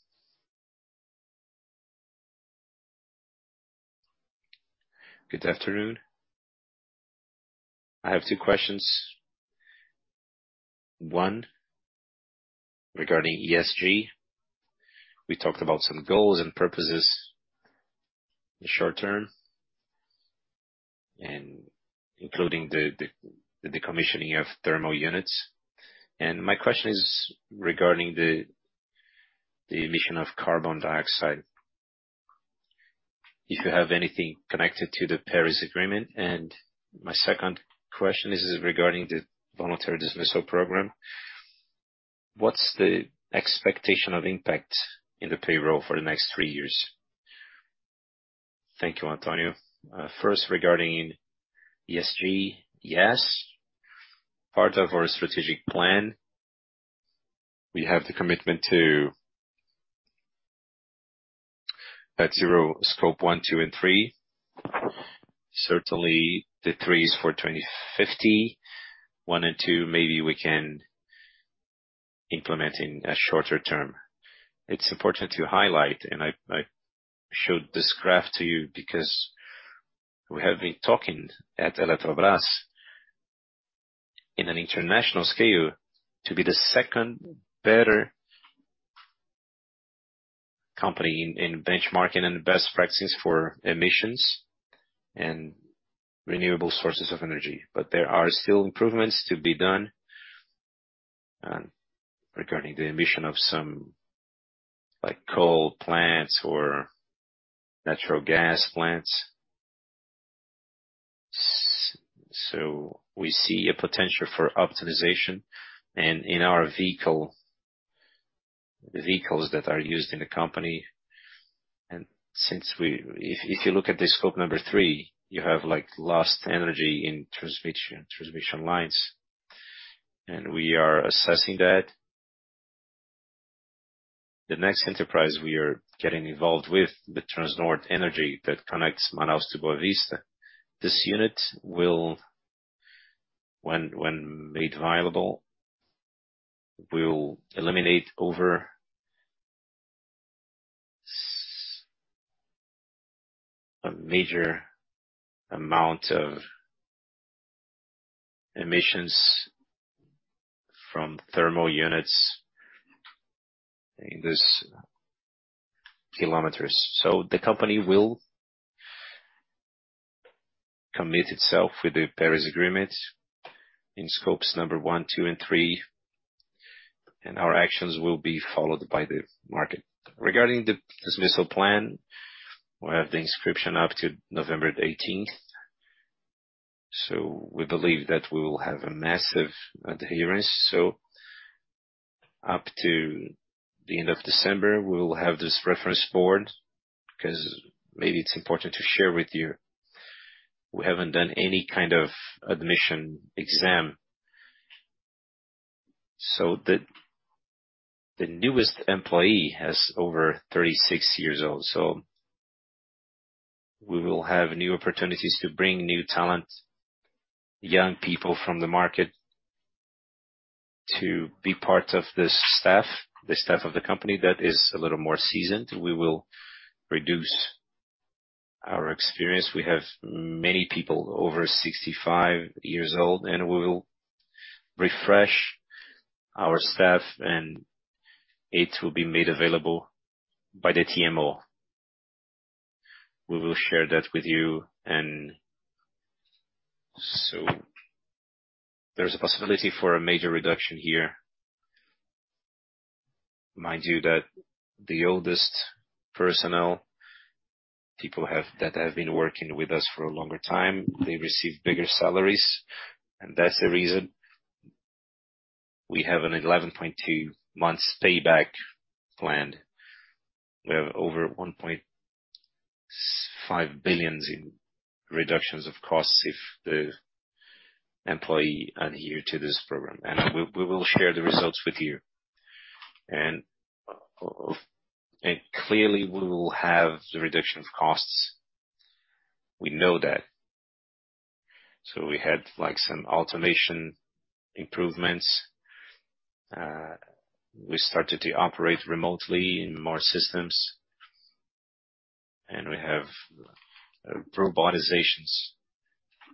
Good afternoon. I have two questions. One, regarding ESG. We talked about some goals and purposes in the short term, and including the decommissioning of thermal units. My question is regarding the emission of carbon dioxide. If you have anything connected to the Paris Agreement. My second question is regarding the voluntary dismissal program. What's the expectation of impact in the payroll for the next three years? Thank you, Antonio. First regarding ESG. Yes, part of our strategic plan, we have the commitment to net zero scope one, two, and three. Certainly the three is for 2050. one and two, maybe we can implement in a shorter term. It's important to highlight, I showed this graph to you because we have been talking at Eletrobrás in an international scale to be the second best company in benchmarking and best practices for emissions and renewable sources of energy. There are still improvements to be done, regarding the emission of some like coal plants or natural gas plants. So we see a potential for optimization. In our vehicles that are used in the company, and since if you look at the scope number three, you have like lost energy in transmission lines, and we are assessing that. The next enterprise we are getting involved with, the Transnorte Energia that connects Manaus to Boa Vista. This unit will, when made viable, eliminate over a major amount of emissions from thermal units in those kilometers. The company will commit itself with the Paris Agreement in scopes number one, two, and three, and our actions will be followed by the market. Regarding the dismissal plan, we have the inscription up to November the 18th, so we believe that we will have a massive adherence. Up to the end of December, we will have this reference board, 'cause maybe it's important to share with you, we haven't done any kind of admission exam. The newest employee has over 36 years old, so we will have new opportunities to bring new talent, young people from the market to be part of this staff, the staff of the company that is a little more seasoned. We will reduce our experience. We have many people over 65 years old, and we will refresh our staff, and it will be made available by the TMO. We will share that with you, and there's a possibility for a major reduction here. Mind you, that the oldest personnel, people that have been working with us for a longer time, they receive bigger salaries, and that's the reason we have an 11.2 months payback plan. We have over 1.5 billion in reductions of costs if the employee adhere to this program. We will share the results with you. Clearly we will have the reduction of costs. We know that. We had like, some automation improvements. We started to operate remotely in more systems, and we have robotizations,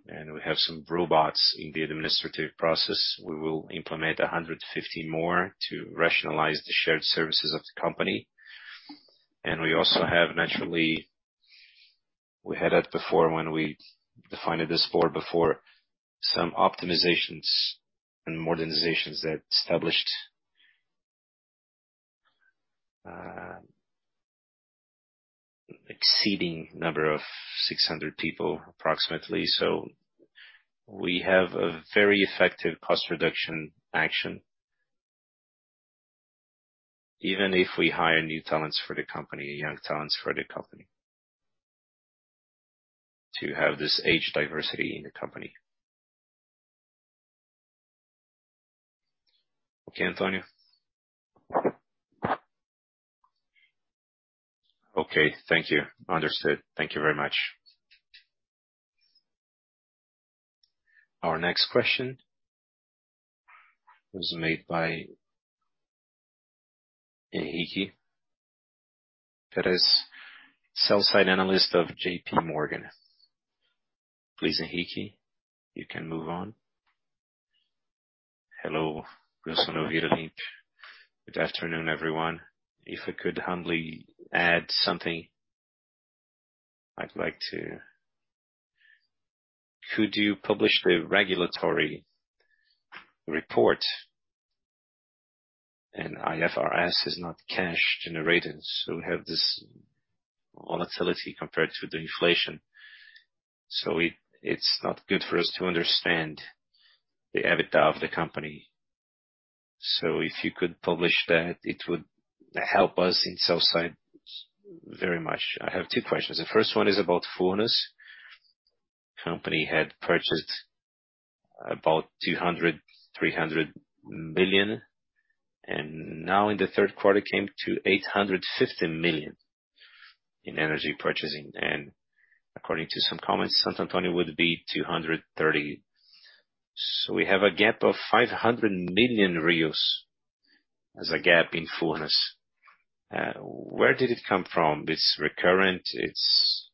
and we have some robots in the administrative process. We will implement 115 more to rationalize the shared services of the company. We also have naturally, we had that before when we defined this floor before some optimizations and modernizations that established, exceeding number of 600 people approximately. So we have a very effective cost reduction action. Even if we hire new talents for the company, young talents for the company, to have this age diversity in the company. Okay, Antonio. Okay. Thank you. Understood. Thank you very much. Our next question was made by Eduardo Haiama. That is Sell-Side Analyst of J.P. Morgan. Please, Eduardo Haiama, you can move on. Hello, Wilson Ferreira Jr. Good afternoon, everyone. If I could humbly add something, could you publish the regulatory report? IFRS is not cash generated, so we have this volatility compared to the inflation. It's not good for us to understand the EBITDA of the company. If you could publish that, it would help us in sell-side very much. I have two questions. The first one is about Furnas. The company had purchased about 200-300 million, and now in the Q3 came to 850 million in energy purchasing. According to some comments, Santo Antônio would be 230. We have a gap of 500 million as a gap in Furnas. Where did it come from? This recurrent, it's.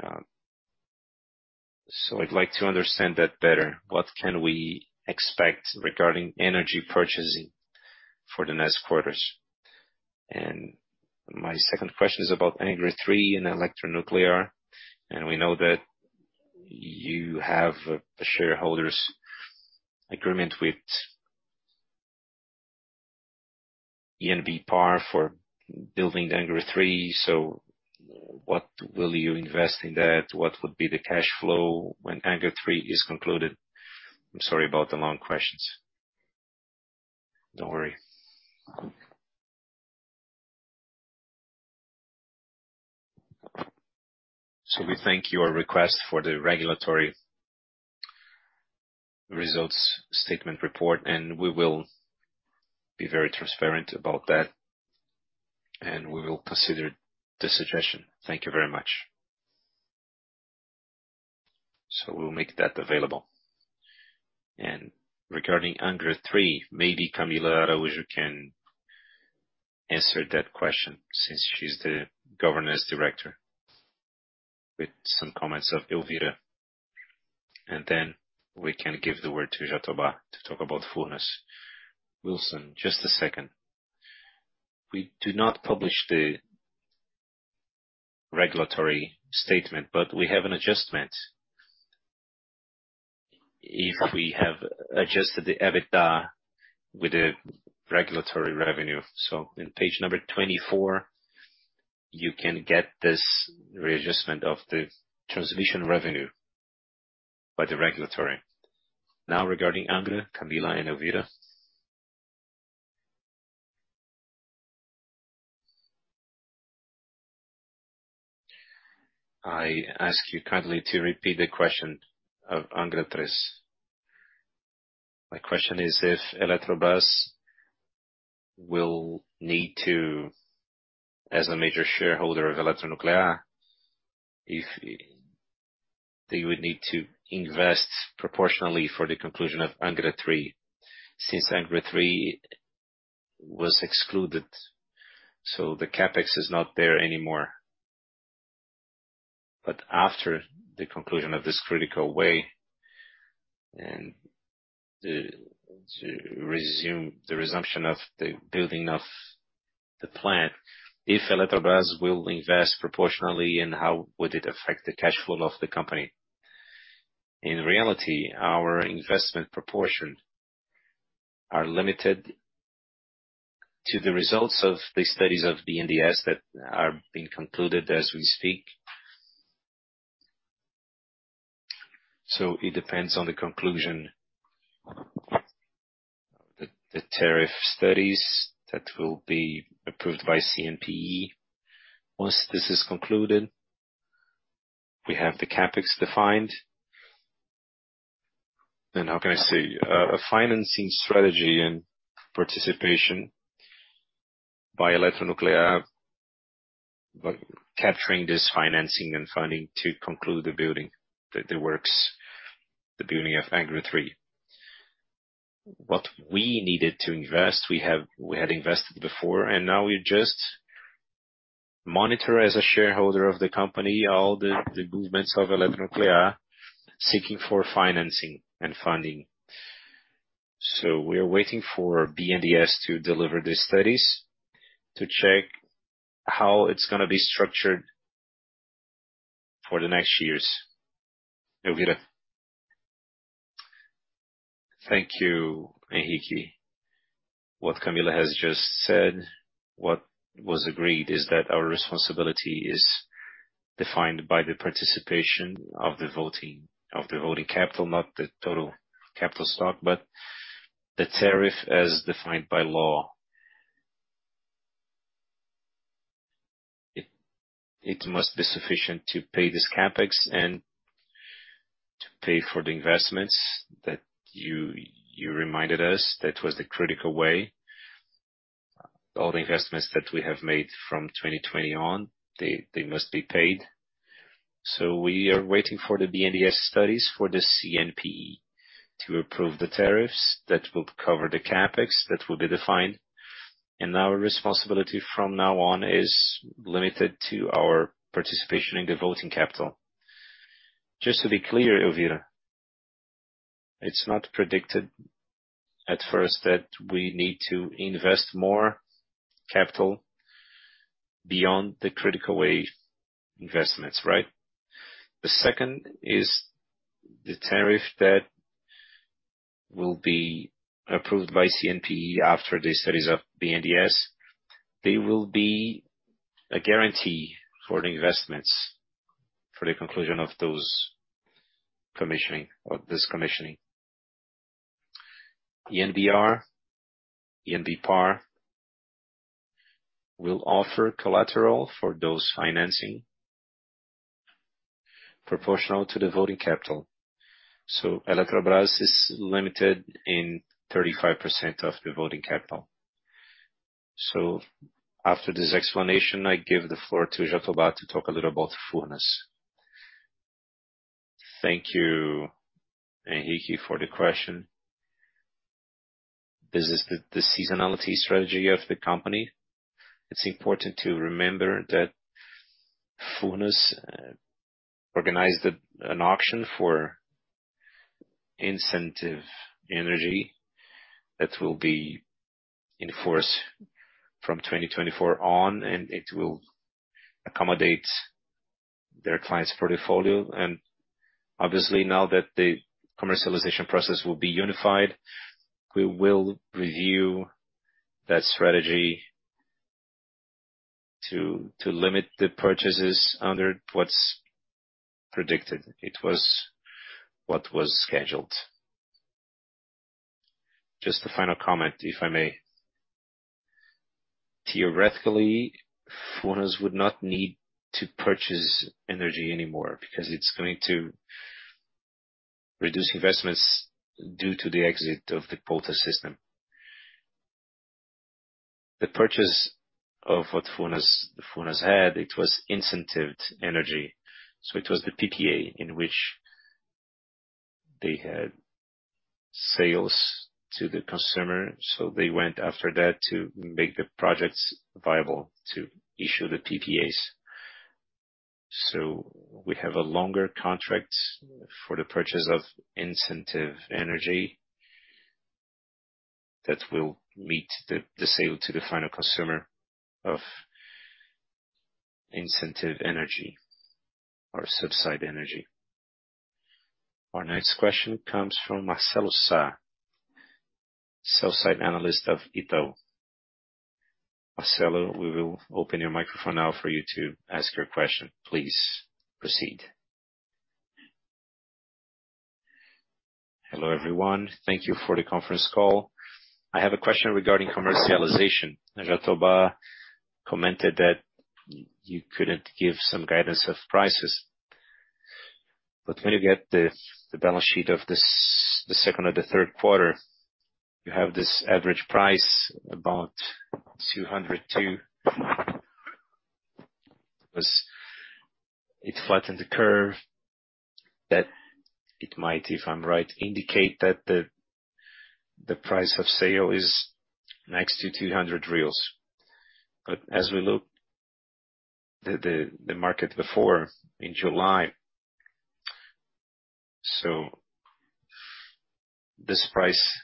I'd like to understand that better. What can we expect regarding energy purchasing for the next quarters? My second question is about Angra III and Eletronuclear. We know that you have a shareholders' agreement with ENBPar for building Angra III. What will you invest in that? What would be the cash flow when Angra III is concluded? I'm sorry about the long questions. Don't worry. We thank you for your request for the regulatory results statement report, and we will be very transparent about that, and we will consider the suggestion. Thank you very much. We'll make that available. Regarding Angra III, maybe Camila Gualdo Araújo can answer that question since she's the governance director, with some comments from Elvira. Then we can give the word to Jatobá to talk about Furnas. Wilson, just a second. We do not publish the regulatory statement, but we have an adjustment. If we have adjusted the EBITDA with the regulatory revenue. In page number 24, you can get this readjustment of the transmission revenue by the regulatory. Now, regarding Angra, Camilla and Elvira. I ask you kindly to repeat the question of Angra III. My question is if Eletrobrás will need to, as a major shareholder of Eletronuclear, if they would need to invest proportionally for the conclusion of Angra III, since Angra III was excluded, so the CapEx is not there anymore. After the conclusion of this critical way and to resume the resumption of the building of the plant, if Eletrobrás will invest proportionally, and how would it affect the cash flow of the company? In reality, our investment proportion are limited to the results of the studies of the BNDES that are being concluded as we speak. It depends on the conclusion. The tariff studies that will be approved by CNPE. Once this is concluded, we have the CapEx defined. Then how can I say? A financing strategy and participation by Eletronuclear, but capturing this financing and funding to conclude the building, the works, the building of Angra III. What we needed to invest, we had invested before, and now we just monitor as a shareholder of the company, all the movements of Eletronuclear, seeking for financing and funding. We are waiting for BNDES to deliver the studies to check how it's gonna be structured for the next years. Elvira. Thank you, Henrique. What Camila has just said, what was agreed is that our responsibility is defined by the participation of the voting capital, not the total capital stock, but the tariff as defined by law. It must be sufficient to pay this CapEx and to pay for the investments that you reminded us. That was the critical way. All the investments that we have made from 2020 on, they must be paid. We are waiting for the BNDES studies for the CNPE to approve the tariffs that will cover the CapEx that will be defined. Our responsibility from now on is limited to our participation in the voting capital. Just to be clear, Elvira. It's not predicted at first that we need to invest more capital beyond the critical wave investments, right? The second is the tariff that will be approved by CNPE after the studies of BNDES. They will be a guarantee for the investments for the conclusion of those commissioning or this commissioning. ENBPar will offer collateral for those financing proportional to the voting capital. Eletrobrás is limited in 35% of the voting capital. After this explanation, I give the floor to Jatobá to talk a little about Furnas. Thank you, Eduardo Haiama, for the question. This is the seasonality strategy of the company. It's important to remember that Furnas organized an auction for incentive energy that will be in force from 2024 on, and it will accommodate their clients' portfolio. Obviously, now that the commercialization process will be unified, we will review that strategy to limit the purchases under what's predicted. It was what was scheduled. Just a final comment, if I may. Theoretically, Furnas would not need to purchase energy anymore because it's going to reduce investments due to the exit of the quota system. The purchase of what Furnas had, it was incentivized energy. It was the PPA in which they had sales to the consumer. They went after that to make the projects viable to issue the PPAs. We have a longer contract for the purchase of incentive energy that will meet the sale to the final consumer of incentive energy or subsidized energy. Our next question comes from Marcelo Sá, sell-side analyst of Itaú BBA. Marcelo, we will open your microphone now for you to ask your question. Please proceed. Hello, everyone. Thank you for the conference call. I have a question regarding commercialization. Jatobá commented that you couldn't give some guidance of prices. When you get the balance sheet of this, the second or the Q3, you have this average price about 202. It flattened the curve that it might, if I'm right, indicate that the price of sale is next to 200. As we look the market before in July, this price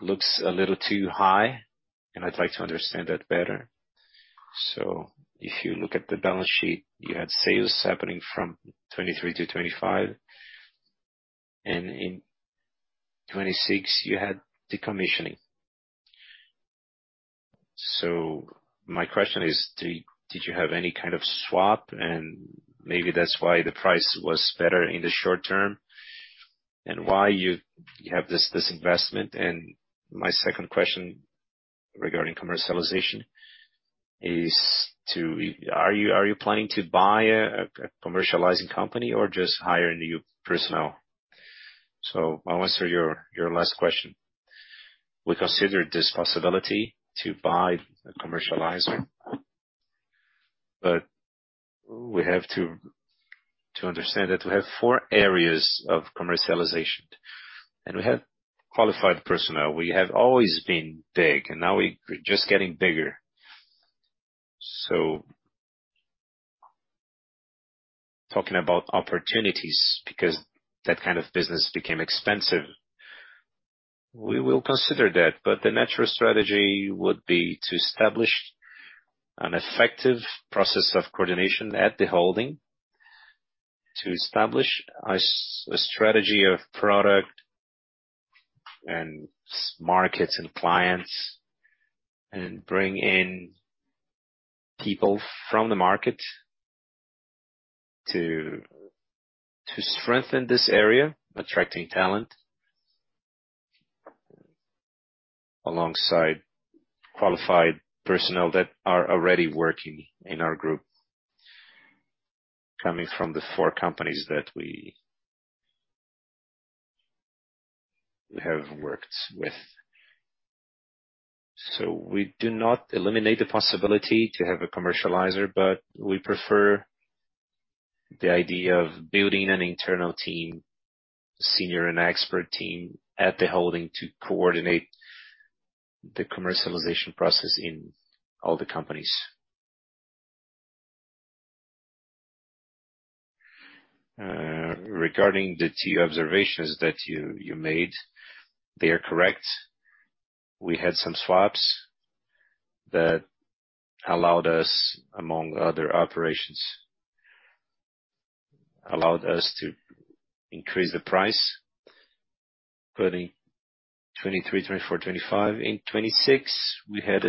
looks a little too high, and I'd like to understand that better. If you look at the balance sheet, you had sales happening from 2023 to 2025, and in 2026 you had decommissioning. My question is, did you have any kind of swap, and maybe that's why the price was better in the short term? Why you have this investment. My second question regarding commercialization is, are you planning to buy a commercializing company or just hiring new personnel? I'll answer your last question. We considered this possibility to buy a commercializer, but we have to understand that we have four areas of commercialization, and we have qualified personnel. We have always been big, and now we're just getting bigger. Talking about opportunities, because that kind of business became expensive, we will consider that. The natural strategy would be to establish an effective process of coordination at the holding, to establish a strategy of product and markets and clients, and bring in people from the market to strengthen this area, attracting talent alongside qualified personnel that are already working in our group, coming from the four companies that we have worked with. We do not eliminate the possibility to have a commercializer, but we prefer the idea of building an internal team, senior and expert team at the holding to coordinate the commercialization process in all the companies. Regarding the two observations that you made, they are correct. We had some swaps that allowed us, among other operations, to increase the price, 2023, 2024, 2025. In 2026, we had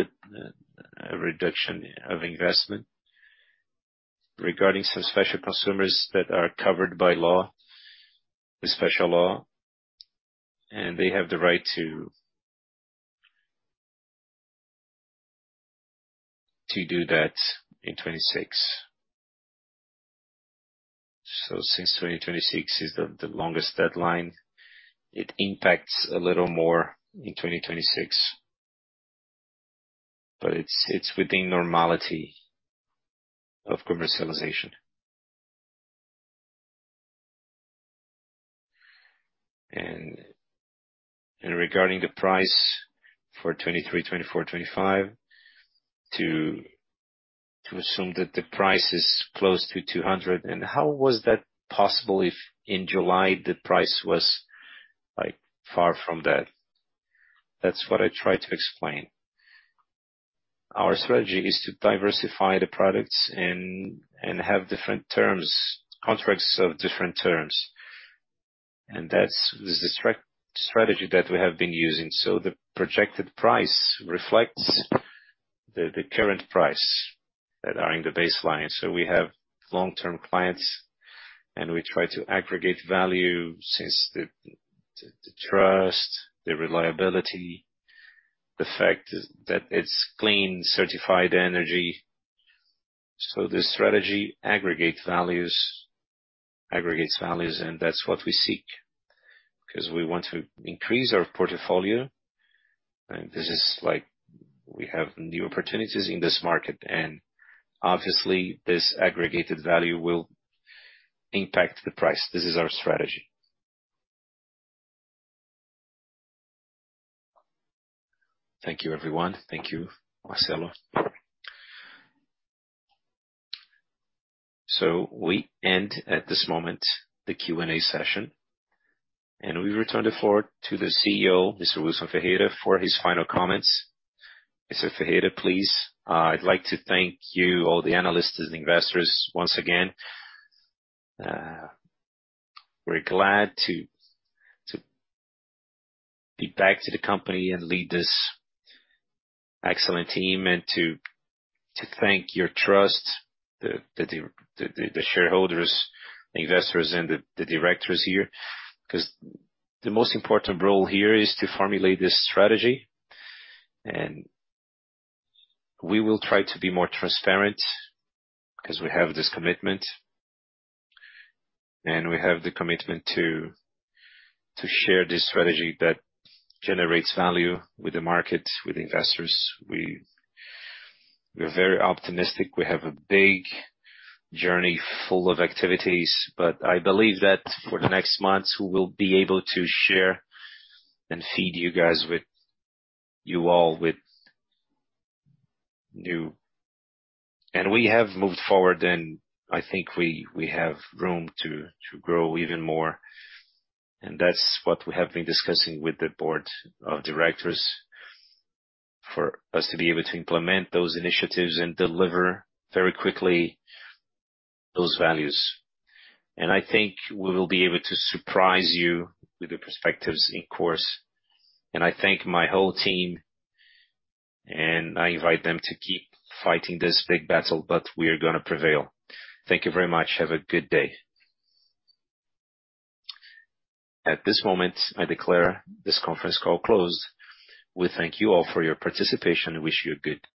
a reduction of investment regarding some special consumers that are covered by law, the special law, and they have the right to do that in 2026. Since 2026 is the longest deadline, it impacts a little more in 2026. But it's within normality of commercialization. Regarding the price for 2023, 2024, 2025 to assume that the price is close to 200. How was that possible if in July the price was like far from that? That's what I tried to explain. Our strategy is to diversify the products and have different terms, contracts of different terms. That's the strategy that we have been using. The projected price reflects the current price that are in the baseline. We have long-term clients, and we try to aggregate value since the trust, the reliability, the fact is that it's clean, certified energy. This strategy aggregates values, and that's what we seek, 'cause we want to increase our portfolio. This is like we have new opportunities in this market, and obviously this aggregated value will impact the price. This is our strategy. Thank you, everyone. Thank you, Marcelo. We end at this moment the Q&A session, and we return the floor to the CEO, Mr. Wilson Ferreira Jr., for his final comments. Mr. Ferreira, please. I'd like to thank you, all the analysts and investors once again. We're glad to be back to the company and lead this excellent team and to thank your trust, the shareholders, investors and the directors here, 'cause the most important role here is to formulate this strategy. We will try to be more transparent, 'cause we have this commitment. We have the commitment to share this strategy that generates value with the market, with investors. We're very optimistic. We have a big journey full of activities, but I believe that for the next months, we will be able to share and feed you all with new. We have moved forward, and I think we have room to grow even more. That's what we have been discussing with the board of directors, for us to be able to implement those initiatives and deliver very quickly those values. I think we will be able to surprise you with the perspectives in course. I thank my whole team, and I invite them to keep fighting this big battle, but we are gonna prevail. Thank you very much. Have a good day. At this moment, I declare this conference call closed. We thank you all for your participation and wish you good-